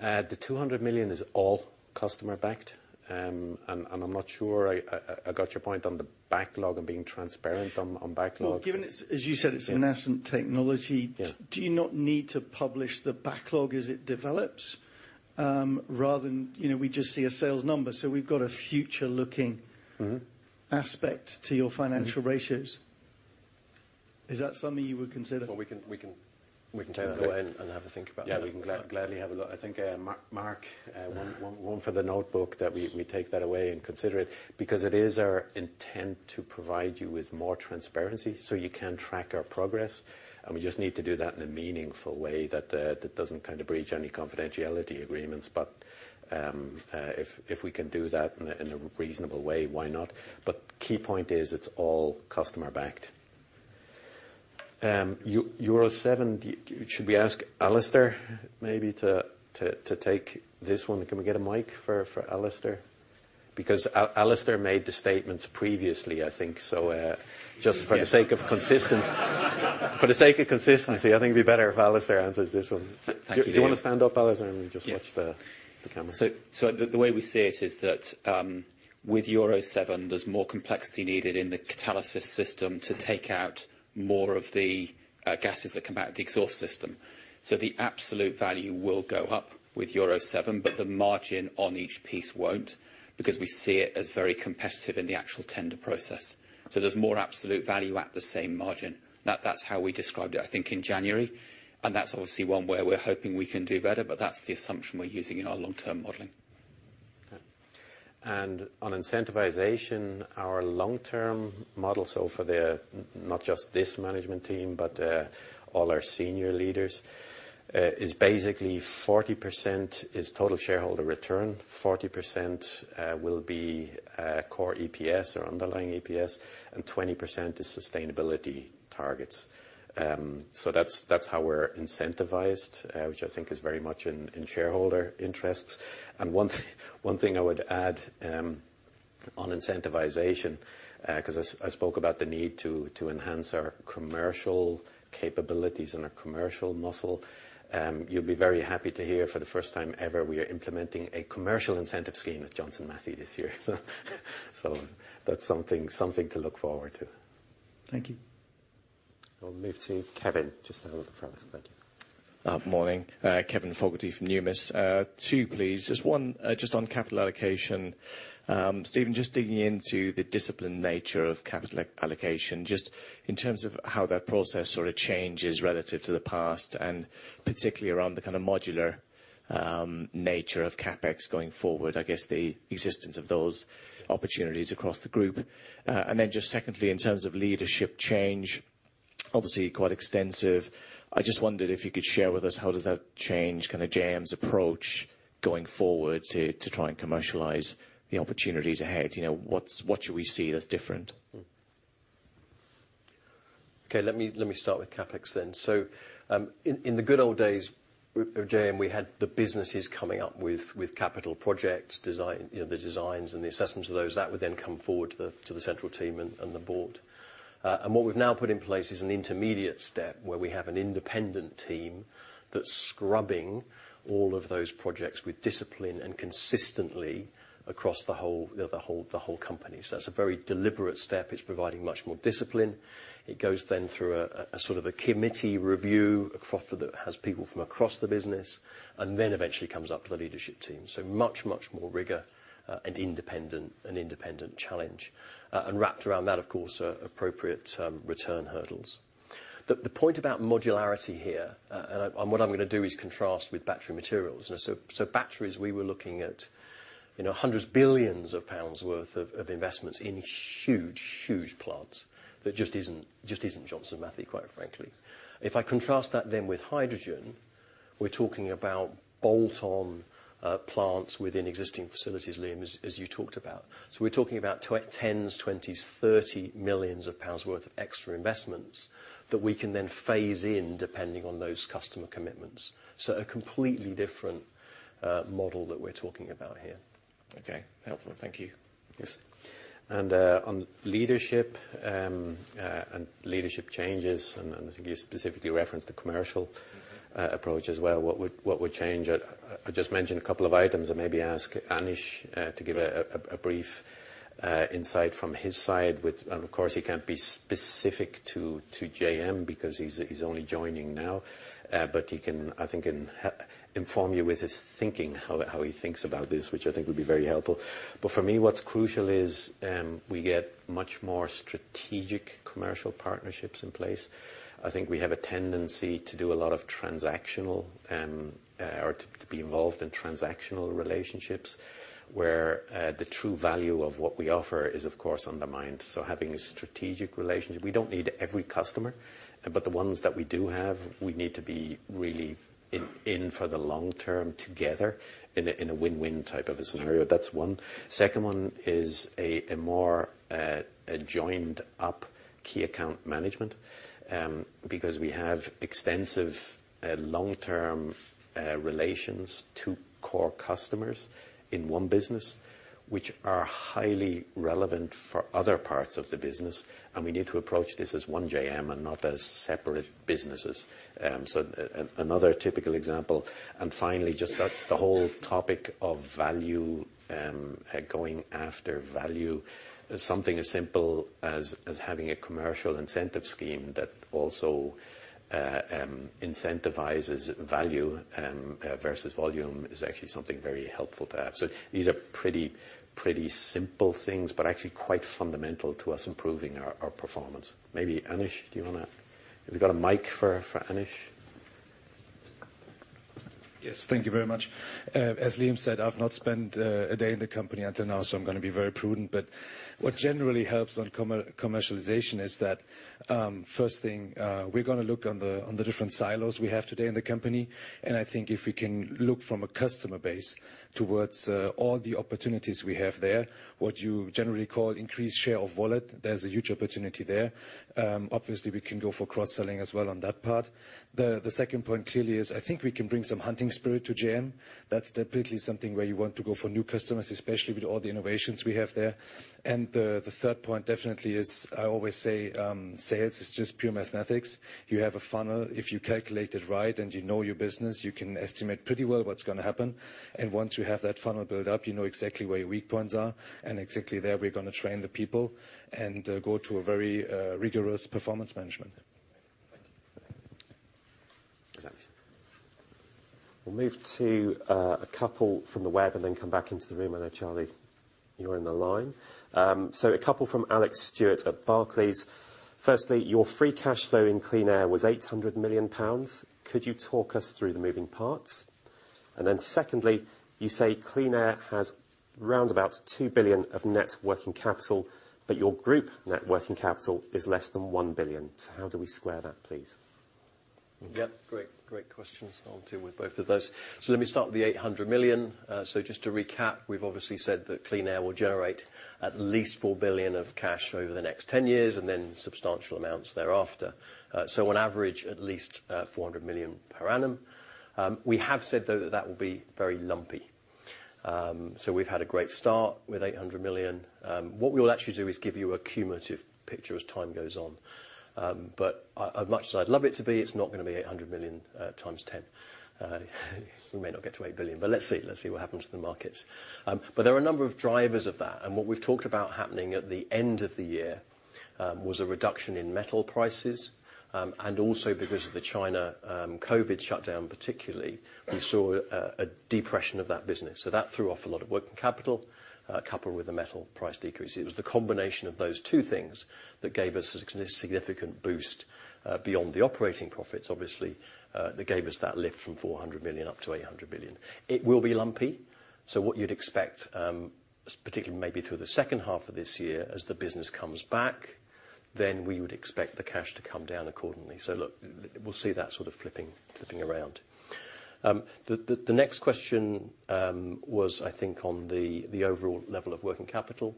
The 200 million is all customer backed. I'm not sure I got your point on the backlog and being transparent on backlog. Well, given it's, as you said, it's a nascent technology. Yeah. Do you not need to publish the backlog as it develops, rather than, you know, we just see a sales number, so we've got a future looking? Mm-hmm. aspect to your financial ratios? Mm-hmm. Is that something you would consider? Well, we can take that away. Have a think about that. Yeah, we can gladly have a look. I think, Mark, one for the notebook that we take that away and consider it because it is our intent to provide you with more transparency so you can track our progress, and we just need to do that in a meaningful way that doesn't kind of breach any confidentiality agreements. If we can do that in a reasonable way, why not? Key point is it's all customer backed. Euro 7, should we ask Alastair maybe to take this one? Can we get a mic for Alastair? Because Alastair made the statements previously, I think so, just for the sake of consistency. For the sake of consistency, I think it'd be better if Alastair answers this one. Thank you, Liam. Do you wanna stand up, Alastair, and just watch the camera? The way we see it is that with Euro 7, there's more complexity needed in the catalyst system to take out more of the gases that come out of the exhaust system. The absolute value will go up with Euro 7, but the margin on each piece won't because we see it as very competitive in the actual tender process. There's more absolute value at the same margin. That's how we described it, I think, in January, and that's obviously one where we're hoping we can do better, but that's the assumption we're using in our long-term modeling. On incentivization, our long-term model for not just this management team, but all our senior leaders is basically 40% total shareholder return, 40% core EPS or underlying EPS, and 20% sustainability targets. That's how we're incentivized, which I think is very much in shareholder interests. One thing I would add on incentivization, because I spoke about the need to enhance our commercial capabilities and our commercial muscle, you'll be very happy to hear for the first time ever we are implementing a commercial incentive scheme at Johnson Matthey this year. That's something to look forward to. Thank you. We'll move to Kevin. Just a moment, Francis. Thank you. Morning. Kevin Fogarty from Numis. Two please. Just one, just on capital allocation. Stephen, just digging into the disciplined nature of capital allocation, just in terms of how that process sort of changes relative to the past, and particularly around the kind of modular nature of CapEx going forward, I guess the existence of those opportunities across the group. Just secondly, in terms of leadership change, obviously quite extensive. I just wondered if you could share with us how does that change kind of JM's approach going forward to try and commercialize the opportunities ahead? You know, what's what should we see that's different? Okay. Let me start with CapEx then. In the good old days of JM, we had the businesses coming up with capital projects, design, you know, the designs and the assessments of those. That would then come forward to the central team and the board. What we've now put in place is an intermediate step where we have an independent team that's scrubbing all of those projects with discipline and consistently across the whole company. That's a very deliberate step. It's providing much more discipline. It goes then through a sort of a committee review across that has people from across the business, and then eventually comes up to the leadership team. Much more rigor and independent challenge. Wrapped around that, of course, are appropriate return hurdles. The point about modularity here. What I'm gonna do is contrast with battery materials. Batteries, we were looking at, you know, hundreds, billions GBP worth of investments in huge plants that just isn't Johnson Matthey, quite frankly. If I contrast that then with hydrogen, we're talking about bolt-on plants within existing facilities, Liam, as you talked about. We're talking about tens, twenties, 30 millions pounds worth of extra investments that we can then phase in depending on those customer commitments. A completely different model that we're talking about here. Okay. Helpful. Thank you. Yes. on leadership and leadership changes, I think you specifically referenced the commercial- Mm-hmm approach as well, what would change? I just mentioned a couple of items and maybe ask Anish to give a brief insight from his side, which. Of course, he can't be specific to JM because he's only joining now. But he can, I think, inform you with his thinking, how he thinks about this, which I think will be very helpful. For me, what's crucial is we get much more strategic commercial partnerships in place. I think we have a tendency to do a lot of transactional or to be involved in transactional relationships where the true value of what we offer is of course undermined. Having a strategic relationship. We don't need every customer, but the ones that we do have, we need to be really in for the long term together in a win-win type of a scenario. That's one. Second one is a more joined up key account management, because we have extensive long-term relations to core customers in one business, which are highly relevant for other parts of the business, and we need to approach this as one JM and not as separate businesses. Another typical example. Finally, just the whole topic of value going after value. Something as simple as having a commercial incentive scheme that also incentivizes value versus volume is actually something very helpful to have. These are pretty simple things, but actually quite fundamental to us improving our performance. Maybe Anish, do you wanna? Have we got a mic for Anish? Yes. Thank you very much. As Liam said, I've not spent a day in the company until now, so I'm gonna be very prudent. What generally helps on commercialization is that first thing, we're gonna look on the different silos we have today in the company, and I think if we can look from a customer base towards all the opportunities we have there, what you generally call increased share of wallet, there's a huge opportunity there. Obviously we can go for cross-selling as well on that part. The second point clearly is I think we can bring some hunting spirit to JM. That's definitely something where you want to go for new customers, especially with all the innovations we have there. The third point definitely is I always say sales is just pure mathematics. You have a funnel. If you calculate it right and you know your business, you can estimate pretty well what's gonna happen. Once you have that funnel built up, you know exactly where your weak points are and exactly there we're gonna train the people and go to a very rigorous performance management. Thank you. Thanks. We'll move to a couple from the web and then come back into the room. I know, Charlie, you're in the line. A couple from Alex Stewart at Barclays. Firstly, your free cash flow in Clean Air was 800 million pounds. Could you talk us through the moving parts? Secondly, you say Clean Air has around 2 billion of net working capital, but your group net working capital is less than 1 billion. How do we square that, please? Yep. Great questions. I'll deal with both of those. Let me start with the 800 million. Just to recap, we've obviously said that Clean Air will generate at least 4 billion of cash over the next 10 years and then substantial amounts thereafter. On average, at least, 400 million per annum. We have said, though, that that will be very lumpy. We've had a great start with 800 million. What we will actually do is give you a cumulative picture as time goes on. As much as I'd love it to be, it's not gonna be 800 million times ten. We may not get to 8 billion, but let's see what happens to the markets. There are a number of drivers of that, and what we've talked about happening at the end of the year was a reduction in metal prices, and also because of the China COVID shutdown particularly, we saw a depression of that business. That threw off a lot of working capital, coupled with a metal price decrease. It was the combination of those two things that gave us a significant boost beyond the operating profits obviously that gave us that lift from 400 million up to 800 million. It will be lumpy, what you'd expect, particularly maybe through the second half of this year as the business comes back, then we would expect the cash to come down accordingly. Look, we'll see that sort of flipping around. The next question was, I think, on the overall level of working capital.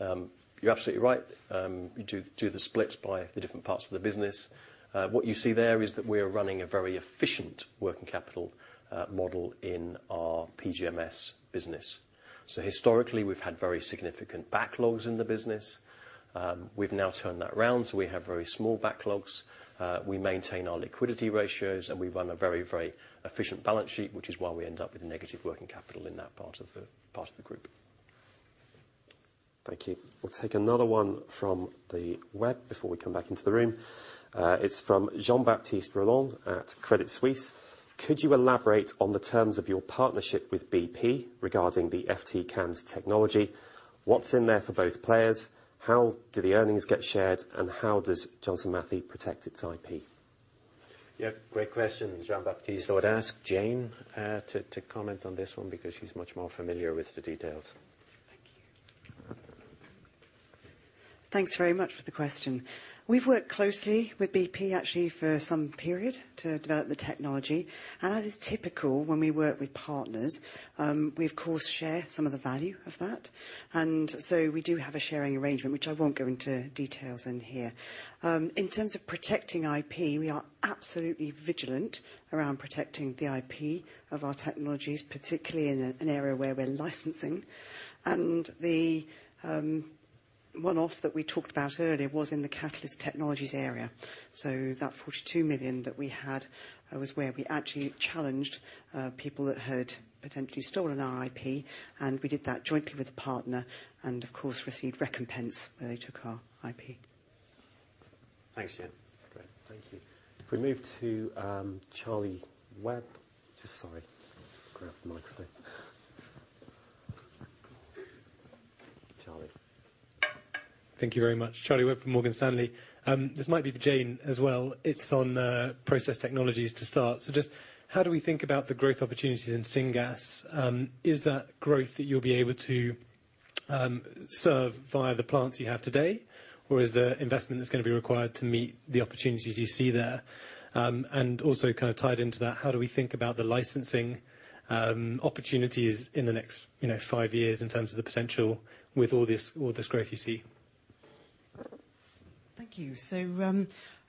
You're absolutely right to do the splits by the different parts of the business. What you see there is that we are running a very efficient working capital model in our PGMS business. Historically, we've had very significant backlogs in the business. We've now turned that round, so we have very small backlogs. We maintain our liquidity ratios, and we run a very efficient balance sheet, which is why we end up with negative working capital in that part of the group. Thank you. We'll take another one from the web before we come back into the room. It's from Jean-Baptiste Rolland at Credit Suisse. Could you elaborate on the terms of your partnership with BP regarding the FT CANS technology? What's in there for both players? How do the earnings get shared, and how does Johnson Matthey protect its IP? Yeah. Great question, Jean-Baptiste. I would ask Jane to comment on this one because she's much more familiar with the details. Thank you. Thanks very much for the question. We've worked closely with bp actually for some period to develop the technology. As is typical when we work with partners, we of course share some of the value of that. We do have a sharing arrangement, which I won't go into details in here. In terms of protecting IP, we are absolutely vigilant around protecting the IP of our technologies, particularly in an area where we're licensing. The one-off that we talked about earlier was in the Catalyst Technologies area. That 42 million that we had was where we actually challenged people that had potentially stolen our IP, and we did that jointly with a partner and of course received recompense where they took our IP. Thanks, Jane. Great. Thank you. If we move to Charlie Webb. Just sorry. Grab the microphone. Charlie. Thank you very much. Charlie Webb from Morgan Stanley. This might be for Jane as well. It's on process technologies to start. Just how do we think about the growth opportunities in syngas? Is that growth that you'll be able to serve via the plants you have today? Or is there investment that's gonna be required to meet the opportunities you see there? And also kind of tied into that, how do we think about the licensing opportunities in the next five years in terms of the potential with all this, all this growth you see? Thank you.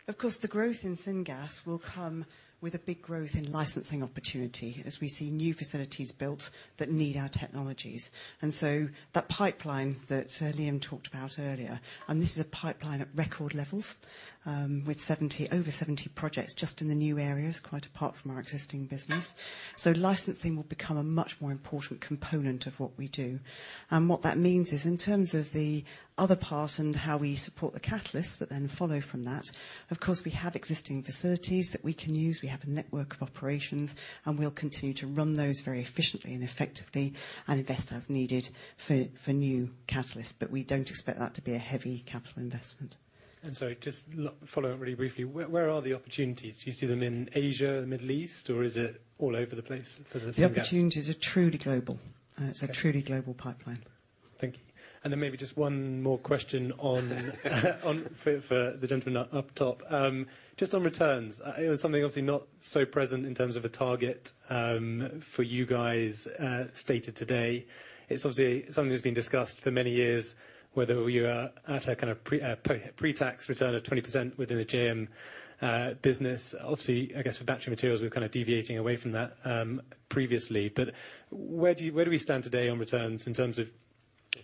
Of course, the growth in syngas will come with a big growth in licensing opportunity as we see new facilities built that need our technologies. That pipeline that Liam Condon talked about earlier, and this is a pipeline at record levels, with over 70 projects just in the new areas, quite apart from our existing business. Licensing will become a much more important component of what we do. What that means is, in terms of the other part and how we support the catalysts that then follow from that, of course, we have existing facilities that we can use. We have a network of operations, and we'll continue to run those very efficiently and effectively and invest as needed for new catalysts. We don't expect that to be a heavy capital investment. Sorry, just follow up really briefly. Where are the opportunities? Do you see them in Asia, the Middle East, or is it all over the place for the syngas? The opportunities are truly global. Okay. It's a truly global pipeline. Thank you. Maybe just one more question on for the gentleman up top. Just on returns. It was something obviously not so present in terms of a target for you guys stated today. It's obviously something that's been discussed for many years, whether you are at a kind of pre-tax return of 20% within the JM business. Obviously, I guess for battery materials, we're kind of deviating away from that previously. Where do we stand today on returns in terms of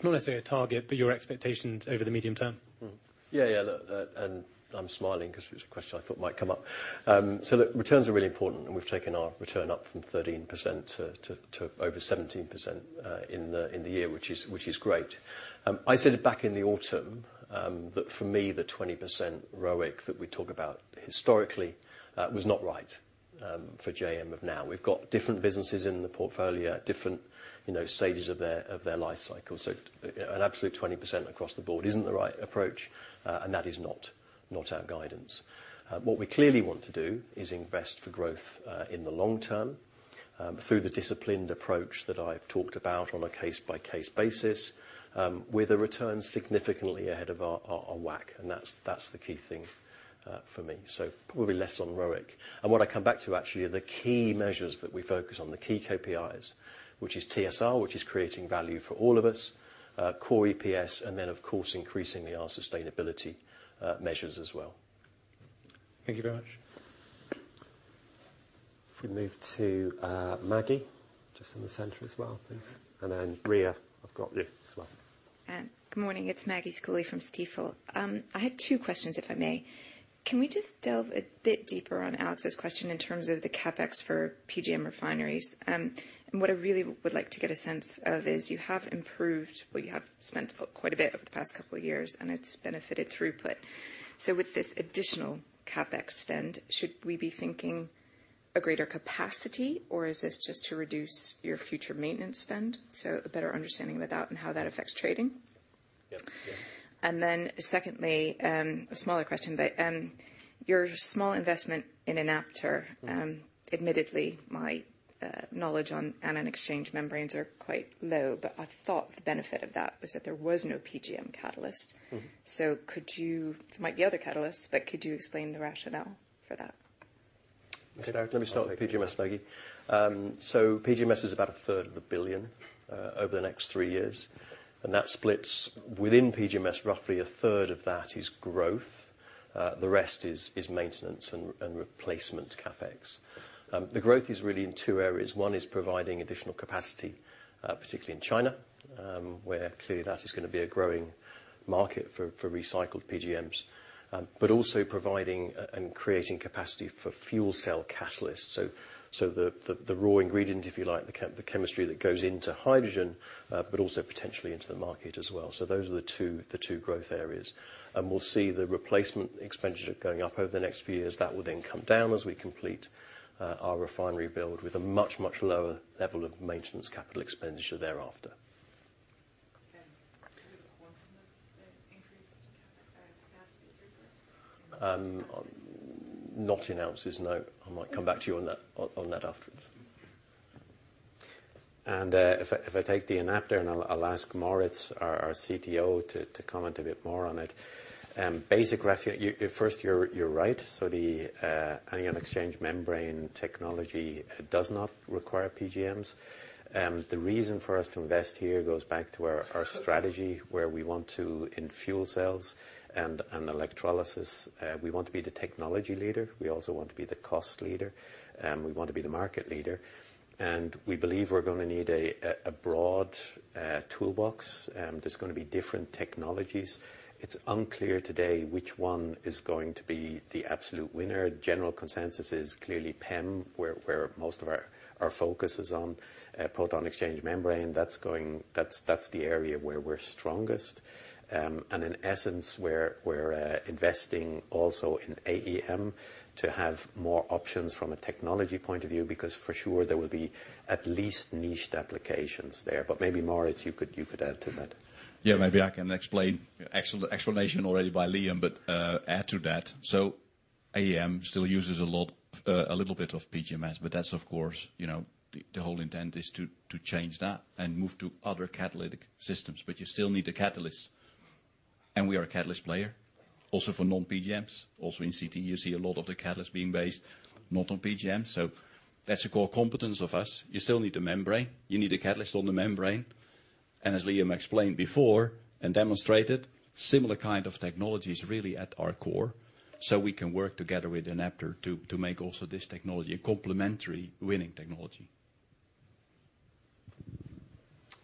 not necessarily a target, but your expectations over the medium term? Look, I'm smiling 'cause it was a question I thought might come up. Look, returns are really important, and we've taken our return up from 13% to over 17% in the year, which is great. I said it back in the autumn, that for me, the 20% ROIC that we talk about historically was not right for JM of now. We've got different businesses in the portfolio at different, you know, stages of their life cycle. An absolute 20% across the board isn't the right approach, and that is not our guidance. What we clearly want to do is invest for growth in the long term through the disciplined approach that I've talked about on a case-by-case basis with a return significantly ahead of our WACC, and that's the key thing for me. So probably less on ROIC. What I come back to actually are the key measures that we focus on, the key KPIs, which is TSR, which is creating value for all of us, core EPS, and then of course, increasingly our sustainability measures as well. Thank you very much. If we move to, Maggie, just in the center as well, please. Then Ria, I've got you as well. Good morning, it's Margaret Schooley from Stifel. I had two questions, if I may. Can we just delve a bit deeper on Alex's question in terms of the CapEx for PGM refineries? What I really would like to get a sense of is you have improved or you have spent quite a bit over the past couple of years, and it's benefited throughput. With this additional CapEx spend, should we be thinking a greater capacity, or is this just to reduce your future maintenance spend? A better understanding of that and how that affects trading. Yeah. Yeah. Secondly, a smaller question, but your small investment in Enapter. Mm-hmm. Admittedly, my knowledge on anion exchange membranes are quite low, but I thought the benefit of that was that there was no PGM catalyst. Mm-hmm. There might be other catalysts, but could you explain the rationale for that? Let me start with PGMS, Maggie. PGMS is about a third of a billion GBP over the next three years. That splits within PGMS, roughly a third of that is growth. The rest is maintenance and replacement CapEx. The growth is really in two areas. One is providing additional capacity, particularly in China, where clearly that is gonna be a growing market for recycled PGMs, but also providing and creating capacity for fuel cell catalysts. The raw ingredient, if you like, the chemistry that goes into hydrogen, but also potentially into the market as well. Those are the two growth areas. We'll see the replacement expenditure going up over the next few years. That will then come down as we complete our refinery build with a much, much lower level of maintenance capital expenditure thereafter. Do you have a quantum of the increased capacity for it? Not in ounces, no. I might come back to you on that afterwards. If I take the Enapter, I'll ask Maurits, our CTO, to comment a bit more on it. AEM, first, you're right. The anion exchange membrane technology does not require PGMs. The reason for us to invest here goes back to our strategy where we want to, in fuel cells and electrolysis, we want to be the technology leader. We also want to be the cost leader, and we want to be the market leader. We believe we're gonna need a broad toolbox. There's gonna be different technologies. It's unclear today which one is going to be the absolute winner. General consensus is clearly PEM, where most of our focus is on proton exchange membrane. That's the area where we're strongest. In essence, we're investing also in AEM to have more options from a technology point of view, because for sure there will be at least niche applications there. Maybe, Maurits, you could add to that. Yeah, maybe I can explain. Excellent explanation already by Liam, but add to that. AEM still uses a lot, a little bit of PGMs, but that's of course, you know, the whole intent is to change that and move to other catalytic systems. You still need the catalyst, and we are a catalyst player also for non-PGMs. Also in CT, you see a lot of the catalysts being based not on PGM. That's a core competence of us. You still need a membrane. You need a catalyst on the membrane. As Liam explained before and demonstrated, similar kind of technologies really at our core. We can work together with Enapter to make also this technology a complementary winning technology.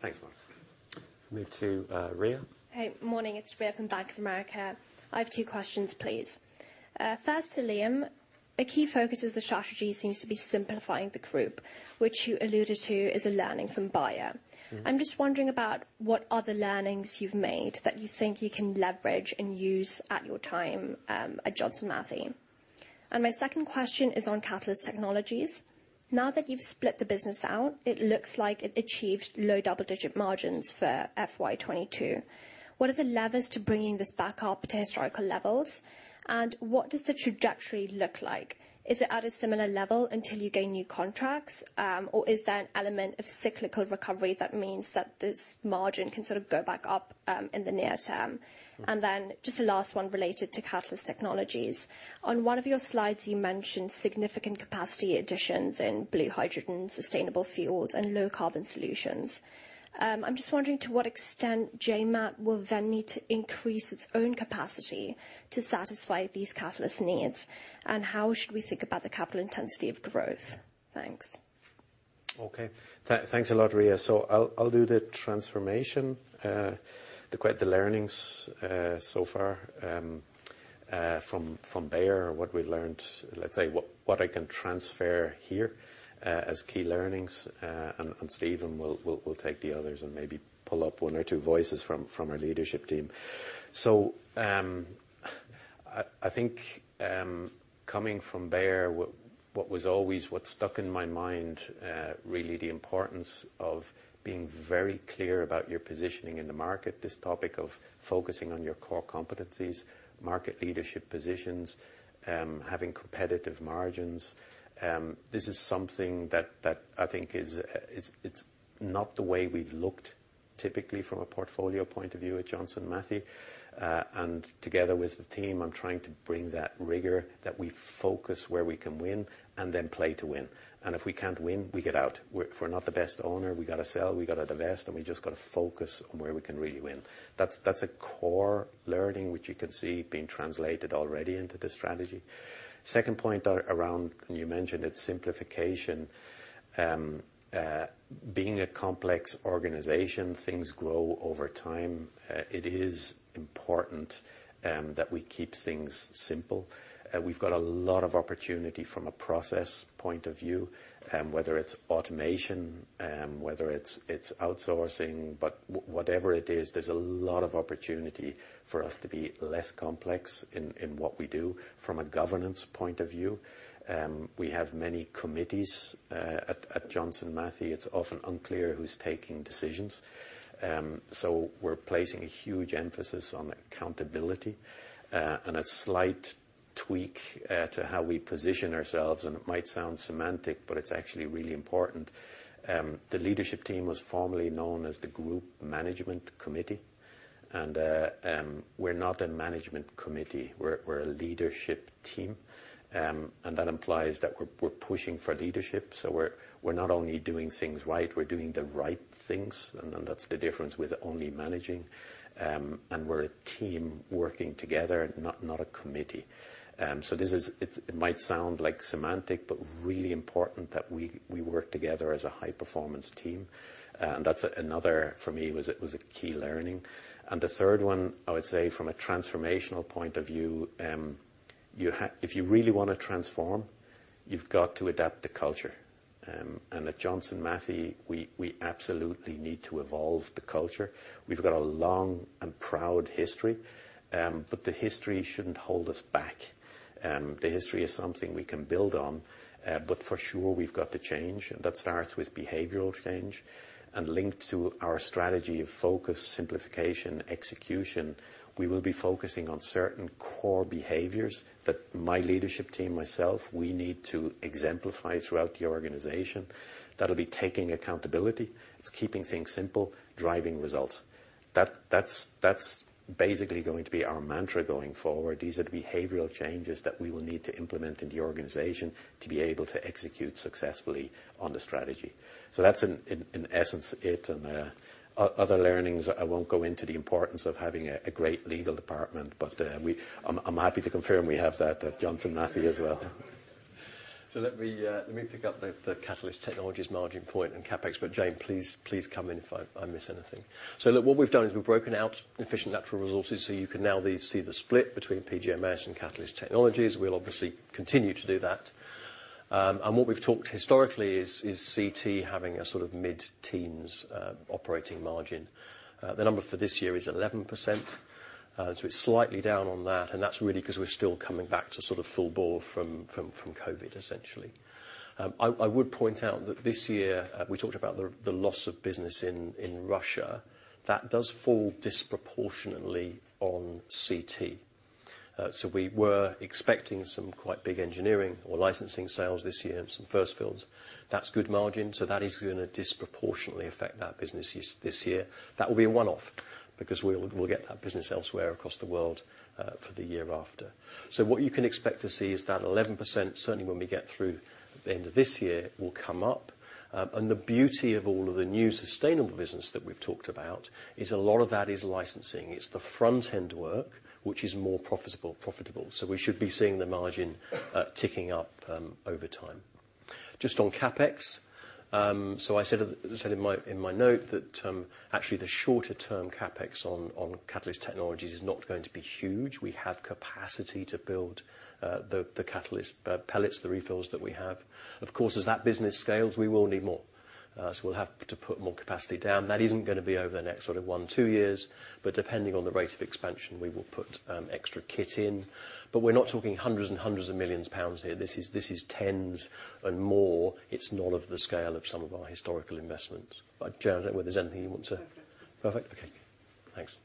Thanks, Maurits. Move to Ria. Hey. Morning. It's Ria from Bank of America. I have two questions, please. First to Liam. A key focus of the strategy seems to be simplifying the group, which you alluded to is a learning from Bayer. Mm-hmm. I'm just wondering about what other learnings you've made that you think you can leverage and use at your time at Johnson Matthey. My second question is on Catalyst Technologies. Now that you've split the business out, it looks like it achieved low double-digit margins for FY 2022. What are the levers to bringing this back up to historical levels, and what does the trajectory look like? Is it at a similar level until you gain new contracts, or is there an element of cyclical recovery that means that this margin can sort of go back up in the near term? Mm-hmm. Just the last one related to Catalyst Technologies. On one of your slides, you mentioned significant capacity additions in blue hydrogen, sustainable fuels, and low-carbon solutions. I'm just wondering to what extent JMAT will then need to increase its own capacity to satisfy these catalyst needs, and how should we think about the capital intensity of growth? Yeah. Thanks. Okay. Thanks a lot, Ria. I'll do the transformation, the key learnings so far from Bayer, what we learned, let's say, what I can transfer here as key learnings. Stephen will take the others and maybe pull up one or two voices from our leadership team. I think, coming from Bayer, what was always that stuck in my mind, really the importance of being very clear about your positioning in the market, this topic of focusing on your core competencies, market leadership positions, having competitive margins. This is something that I think is, it's not the way we've looked. Typically from a portfolio point of view at Johnson Matthey, and together with the team, I'm trying to bring that rigor that we focus where we can win and then play to win. If we can't win, we get out. If we're not the best owner, we gotta sell, we gotta divest, and we just gotta focus on where we can really win. That's a core learning, which you can see being translated already into the strategy. Second point around, you mentioned it, simplification. Being a complex organization, things grow over time. It is important that we keep things simple. We've got a lot of opportunity from a process point of view, whether it's automation, whether it's outsourcing. Whatever it is, there's a lot of opportunity for us to be less complex in what we do from a governance point of view. We have many committees. At Johnson Matthey, it's often unclear who's taking decisions. We're placing a huge emphasis on accountability, and a slight tweak to how we position ourselves. It might sound semantic, but it's actually really important. The leadership team was formerly known as the group management committee. We're not a management committee, we're a leadership team. That implies that we're pushing for leadership. We're not only doing things right, we're doing the right things, and that's the difference with only managing. We're a team working together, not a committee. This is. It might sound like semantics, but really important that we work together as a high-performance team. That's another for me, a key learning. The third one, I would say from a transformational point of view, if you really wanna transform, you've got to adapt the culture. At Johnson Matthey, we absolutely need to evolve the culture. We've got a long and proud history, but the history shouldn't hold us back. The history is something we can build on, but for sure, we've got to change. That starts with behavioral change and linked to our strategy of focus, simplification, execution. We will be focusing on certain core behaviors that my leadership team, myself, we need to exemplify throughout the organization. That'll be taking accountability, it's keeping things simple, driving results. That's basically going to be our mantra going forward. These are the behavioral changes that we will need to implement in the organization to be able to execute successfully on the strategy. That's in essence it and other learnings. I won't go into the importance of having a great legal department, but I'm happy to confirm we have that at Johnson Matthey as well. Let me pick up the Catalyst Technologies margin point and CapEx. Jane, please come in if I miss anything. Look, what we've done is we've broken out efficient natural resources, so you can now see the split between PGMS and Catalyst Technologies. We'll obviously continue to do that. What we've talked historically is CT having a sort of mid-teens operating margin. The number for this year is 11%, so it's slightly down on that, and that's really 'cause we're still coming back to sort of full bore from Covid, essentially. I would point out that this year, we talked about the loss of business in Russia. That does fall disproportionately on CT. We were expecting some quite big engineering or licensing sales this year and some first fills. That's good margin. That is gonna disproportionately affect that business this year. That will be a one-off because we'll get that business elsewhere across the world for the year after. What you can expect to see is that 11%, certainly when we get through the end of this year, will come up. The beauty of all of the new sustainable business that we've talked about is a lot of that is licensing. It's the front-end work which is more profitable. We should be seeing the margin ticking up over time. Just on CapEx. I said in my note that actually the shorter term CapEx on Catalyst Technologies is not going to be huge. We have capacity to build the catalyst pellets, the refills that we have. Of course, as that business scales, we will need more. We'll have to put more capacity down. That isn't gonna be over the next sort of one-two years, but depending on the rate of expansion, we will put extra kit in. We're not talking hundreds and hundreds of millions GBP here. This is tens and more. It's not of the scale of some of our historical investments. Jane, I don't know whether there's anything you want to Perfect. Perfect. Okay, thanks.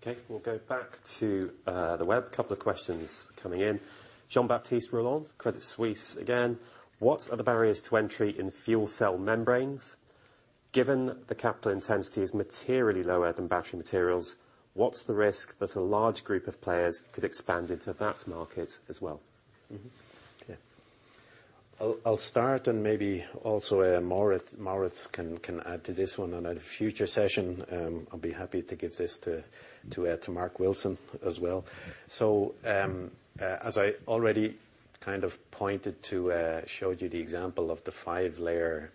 Okay, we'll go back to the web. A couple of questions coming in. Jean-Baptiste Rolland, Credit Suisse again. What are the barriers to entry in fuel cell membranes? Given the capital intensity is materially lower than battery materials, what's the risk that a large group of players could expand into that market as well? Mm-hmm. Okay. I'll start and maybe also Moritz can add to this one. On a future session, I'll be happy to give this to Mark Wilson as well. As I already kind of showed you the example of the five-layer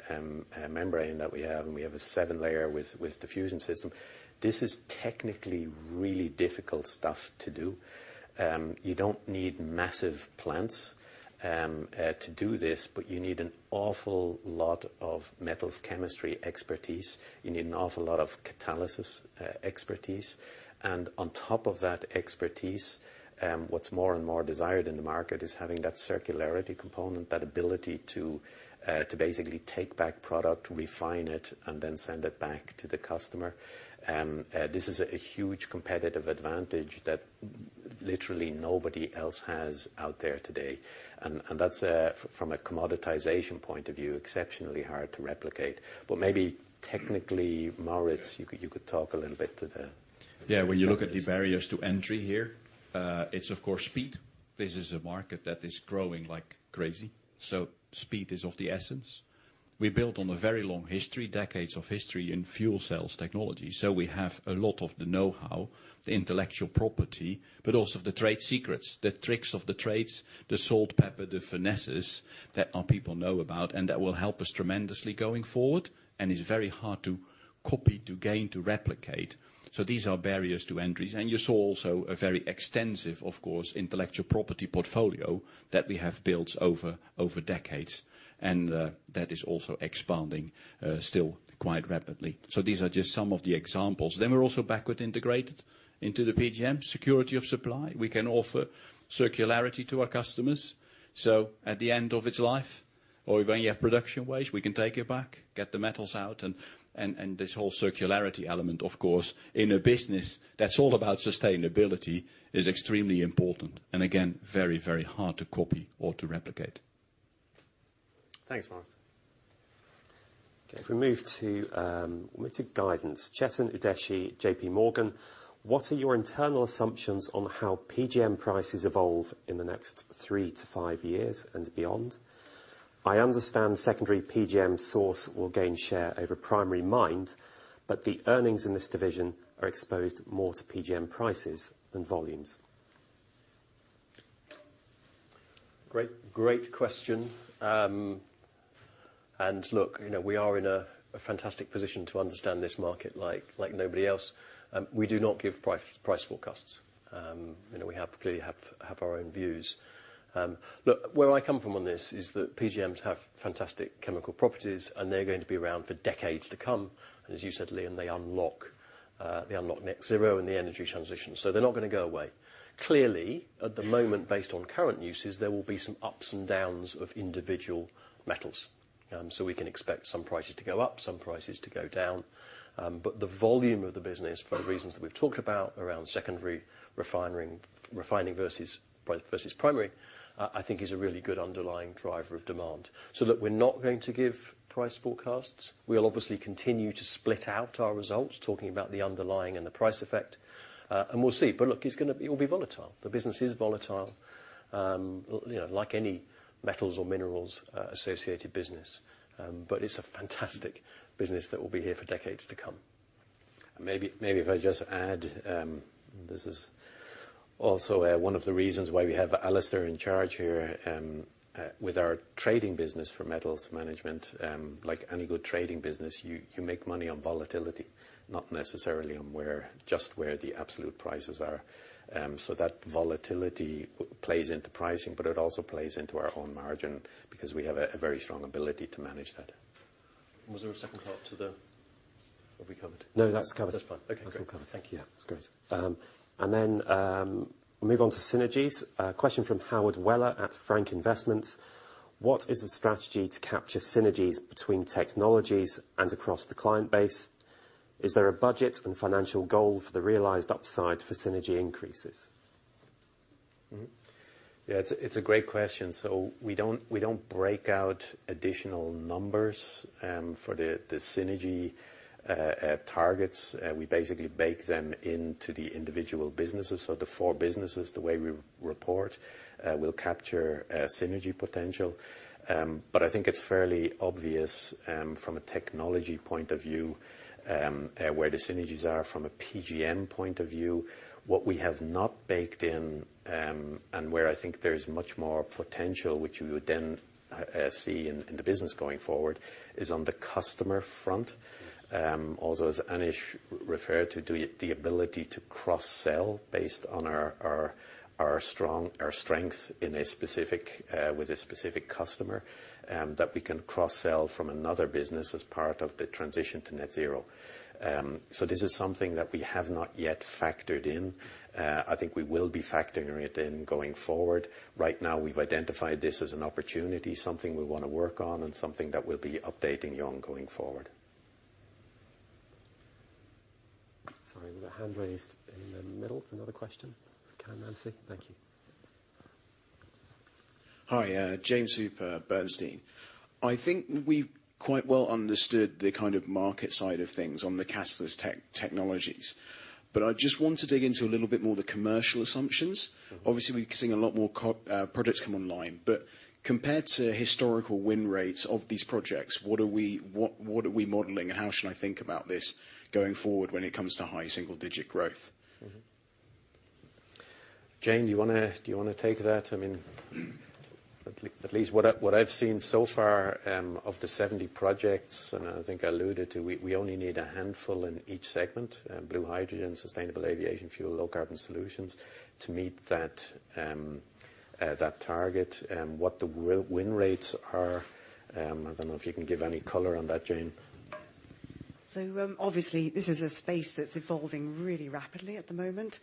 membrane that we have, and we have a seven-layer with diffusion system. This is technically really difficult stuff to do. You don't need massive plants to do this, but you need an awful lot of metals chemistry expertise. You need an awful lot of catalysis expertise. On top of that expertise, what's more and more desired in the market is having that circularity component, that ability to basically take back product, refine it, and then send it back to the customer. This is a huge competitive advantage that literally nobody else has out there today. That's from a commoditization point of view, exceptionally hard to replicate. Maybe technically, Maurits, you could talk a little bit to the challenges. Yeah. When you look at the barriers to entry here It's, of course, speed. This is a market that is growing like crazy, so speed is of the essence. We built on a very long history, decades of history in fuel cells technology, so we have a lot of the know-how, the intellectual property, but also the trade secrets, the tricks of the trade, the salt, pepper, the finesses that our people know about and that will help us tremendously going forward and is very hard to copy, to gain, to replicate. These are barriers to entry. You saw also a very extensive, of course, intellectual property portfolio that we have built over decades, and that is also expanding still quite rapidly. These are just some of the examples. We're also backward integrated into the PGM security of supply. We can offer circularity to our customers. At the end of its life or when you have production waste, we can take it back, get the metals out and this whole circularity element, of course, in a business that's all about sustainability is extremely important and again, very, very hard to copy or to replicate. Thanks, Mark. Okay, if we move to guidance. Chetan Udeshi, JPMorgan: What are your internal assumptions on how PGM prices evolve in the next three to five years and beyond? I understand secondary PGM source will gain share over primary mines, but the earnings in this division are exposed more to PGM prices than volumes. Great question. Look, you know, we are in a fantastic position to understand this market like nobody else. We do not give price forecasts. You know, we clearly have our own views. Look, where I come from on this is that PGMs have fantastic chemical properties, and they're going to be around for decades to come. As you said, Liam, they unlock net zero and the energy transition, so they're not gonna go away. Clearly, at the moment based on current uses, there will be some ups and downs of individual metals. We can expect some prices to go up, some prices to go down. The volume of the business for the reasons that we've talked about around secondary refining versus primary, I think is a really good underlying driver of demand. Look, we're not going to give price forecasts. We'll obviously continue to split out our results, talking about the underlying and the price effect, and we'll see. Look, it's gonna be. It will be volatile. The business is volatile. You know, like any metals or minerals associated business. It's a fantastic business that will be here for decades to come. Maybe if I just add, this is also one of the reasons why we have Alastair in charge here, with our trading business for metals management. Like any good trading business, you make money on volatility, not necessarily on where, just where the absolute prices are. That volatility plays into pricing, but it also plays into our own margin because we have a very strong ability to manage that. Was there a second part? Or are we covered? No, that's covered. That's fine. Okay, great. That's all covered. Thank you. Yeah. That's great. Move on to synergies. A question from Howard Weller at Frank Investments. What is the strategy to capture synergies between technologies and across the client base? Is there a budget and financial goal for the realized upside for synergy increases? It's a great question. We don't break out additional numbers for the synergy targets. We basically bake them into the individual businesses. The four businesses, the way we report, will capture synergy potential. I think it's fairly obvious from a technology point of view where the synergies are from a PGM point of view. What we have not baked in and where I think there's much more potential, which you would then see in the business going forward, is on the customer front. Also as Anish referred to do, the ability to cross-sell based on our strength in a specific with a specific customer that we can cross-sell from another business as part of the transition to net zero. This is something that we have not yet factored in. I think we will be factoring it in going forward. Right now we've identified this as an opportunity, something we wanna work on and something that we'll be updating you on going forward. Sorry. We've a hand raised in the middle. Another question. Karen Nancy, thank you. Hi. James Hooper, Bernstein. I think we've quite well understood the kind of market side of things on the Catalyst Technologies, but I just want to dig into a little bit more the commercial assumptions. Obviously, we're seeing a lot more products come online, but compared to historical win rates of these projects, what are we modeling and how should I think about this going forward when it comes to high single-digit growth? Mm-hmm. Jane, do you wanna take that? I mean, at least what I've seen so far of the 70 projects, I think I alluded to, we only need a handful in each segment, blue hydrogen, sustainable aviation fuel, low-carbon solutions to meet that target, what the win rates are. I don't know if you can give any color on that, Jane. Obviously this is a space that's evolving really rapidly at the moment.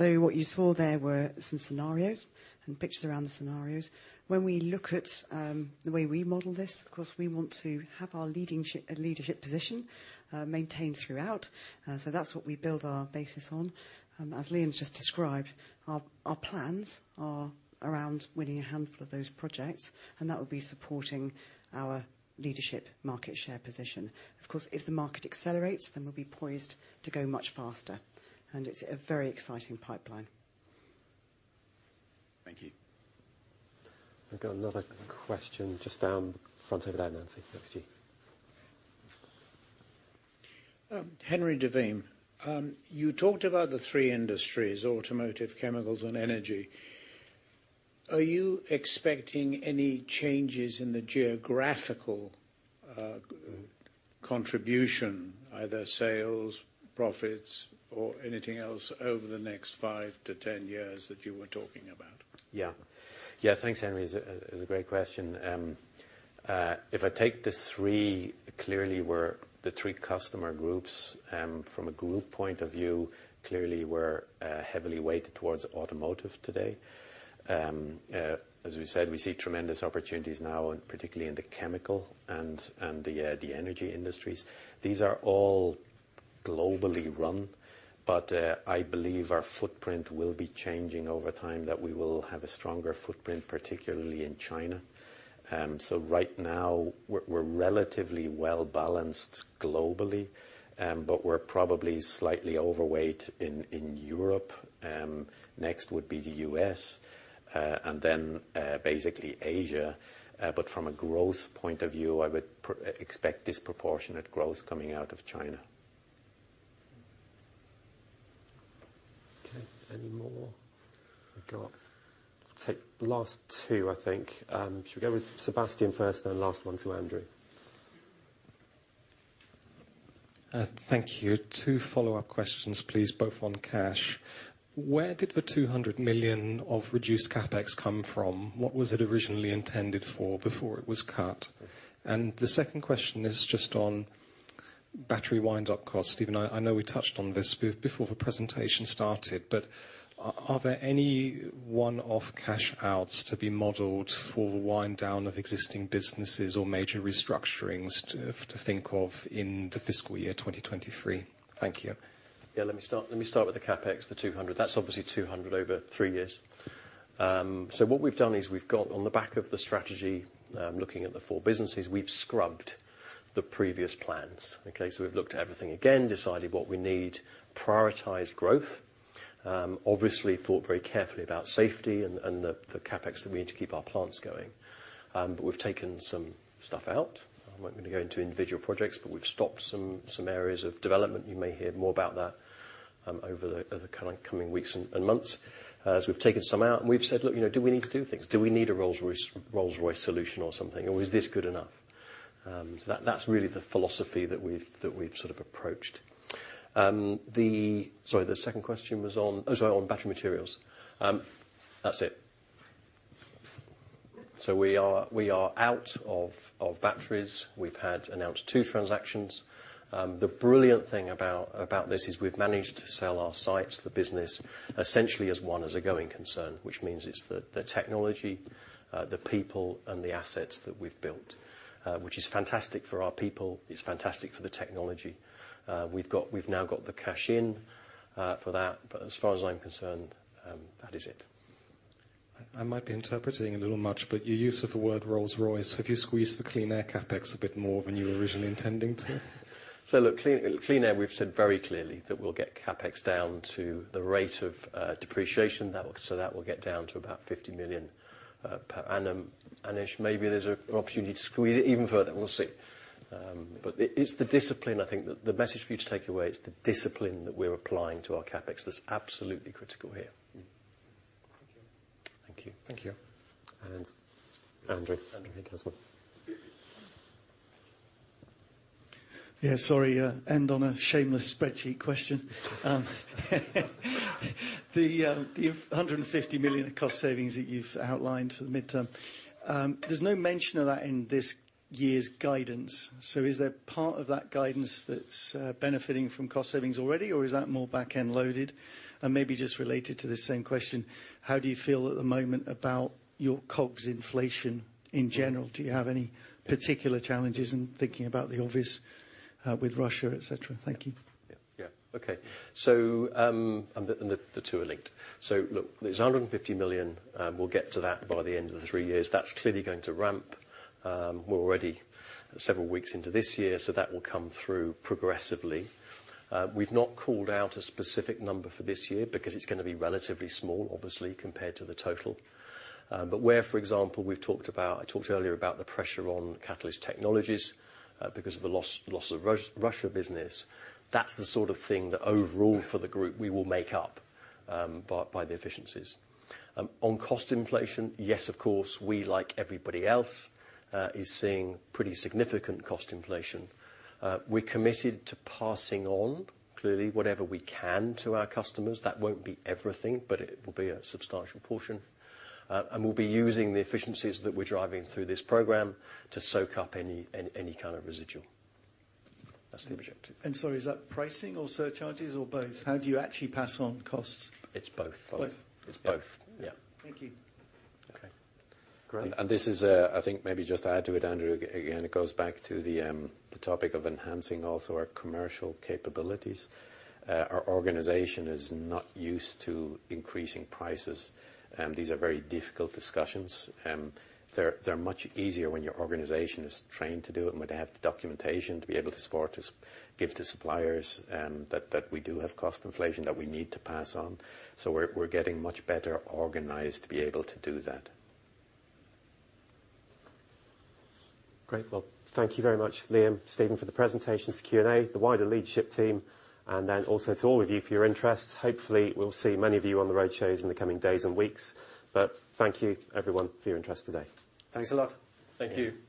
What you saw there were some scenarios and pictures around the scenarios. When we look at the way we model this, of course, we want to have our leadership position maintained throughout. That's what we build our basis on. As Liam's just described, our plans are around winning a handful of those projects, and that would be supporting our leadership market share position. Of course, if the market accelerates, then we'll be poised to go much faster. It's a very exciting pipeline. Thank you. I've got another question just down front over there, Nancy. Next to you. Henry de Vismes, you talked about the three industries, automotive, chemicals, and energy. Are you expecting any changes in the geographical contribution, either sales, profits, or anything else over the next 5-10 years that you were talking about? Yeah, thanks, Henry DeVene. It's a great question. If I take the three, clearly we're the three customer groups, from a group point of view, clearly we're heavily weighted towards automotive today. As we said, we see tremendous opportunities now, and particularly in the chemical and the energy industries. These are all globally run, but I believe our footprint will be changing over time, that we will have a stronger footprint, particularly in China. Right now we're relatively well-balanced globally, but we're probably slightly overweight in Europe. Next would be the US, and then basically Asia. But from a growth point of view, I would expect disproportionate growth coming out of China. Okay. Any more? Take the last two, I think. Should we go with Sebastian first, then last one to Andrew? Thank you. Two follow-up questions, please, both on cash. Where did the 200 million of reduced CapEx come from? What was it originally intended for before it was cut? The second question is just on battery wind-up costs. Stephen, I know we touched on this before the presentation started, but are there any one-off cash outflows to be modeled for the wind down of existing businesses or major restructurings to think of in the fiscal year 2023? Thank you. Yeah. Let me start with the CapEx, the 200. That's obviously 200 over three years. What we've done is we've got on the back of the strategy, looking at the four businesses, we've scrubbed the previous plans. Okay? We've looked at everything again, decided what we need, prioritized growth, obviously thought very carefully about safety and the CapEx that we need to keep our plants going. We've taken some stuff out. I'm not gonna go into individual projects, but we've stopped some areas of development. You may hear more about that over the coming weeks and months. We've taken some out and we've said, "Look, you know, do we need to do things? Do we need a Rolls-Royce solution or something? Is this good enough? That's really the philosophy that we've sort of approached. The second question was on? Oh, sorry, on battery materials. That's it. We are out of batteries. We've had announced two transactions. The brilliant thing about this is we've managed to sell our sites, the business, essentially as one, as a going concern, which means it's the technology, the people and the assets that we've built, which is fantastic for our people. It's fantastic for the technology. We've now got the cash in for that, but as far as I'm concerned, that is it. I might be interpreting a little much, but your use of the word Rolls-Royce, have you squeezed the Clean Air CapEx a bit more than you were originally intending to? Look, Clean Air, we've said very clearly that we'll get CapEx down to the rate of depreciation. That will get down to about 50 million per annum. Maybe there's an opportunity to squeeze it even further. We'll see. But it's the discipline I think. The message for you to take away, it's the discipline that we're applying to our CapEx that's absolutely critical here. Mm-hmm. Thank you. Thank you. Thank you. Andrew. Andrew has one. Yeah. Sorry, end on a shameless spreadsheet question. The 150 million cost savings that you've outlined for the midterm, there's no mention of that in this year's guidance. Is there part of that guidance that's benefiting from cost savings already, or is that more back-end loaded? And maybe just related to the same question, how do you feel at the moment about your COGS inflation in general? Do you have any particular challenges in thinking about the obvious with Russia, etc? Thank you. Yeah. Yeah. Okay. The two are linked. Look, there's 150 million. We'll get to that by the end of the three years. That's clearly going to ramp. We're already several weeks into this year, so that will come through progressively. We've not called out a specific number for this year because it's gonna be relatively small, obviously, compared to the total. Where, for example, we've talked about, I talked earlier about the pressure on Catalyst Technologies because of the loss of Russia business. That's the sort of thing that overall for the group we will make up by the efficiencies. On cost inflation, yes, of course, we, like everybody else, are seeing pretty significant cost inflation. We're committed to passing on, clearly, whatever we can to our customers. That won't be everything, but it will be a substantial portion. We'll be using the efficiencies that we're driving through this program to soak up any kind of residual. That's the objective. Is that pricing or surcharges or both? How do you actually pass on costs? It's both. Both. It's both. Yeah. Thank you. Okay. Great. This is, I think maybe just to add to it, Andrew, again, it goes back to the topic of enhancing also our commercial capabilities. Our organization is not used to increasing prices. These are very difficult discussions. They're much easier when your organization is trained to do it, and when they have the documentation to be able to support to give to suppliers, that we do have cost inflation that we need to pass on. We're getting much better organized to be able to do that. Great. Well, thank you very much, Liam, Stephen, for the presentations Q&A, the wider leadership team, and then also to all of you for your interest. Hopefully, we'll see many of you on the roadshows in the coming days and weeks. Thank you everyone for your interest today. Thanks a lot. Thank you. Thank you.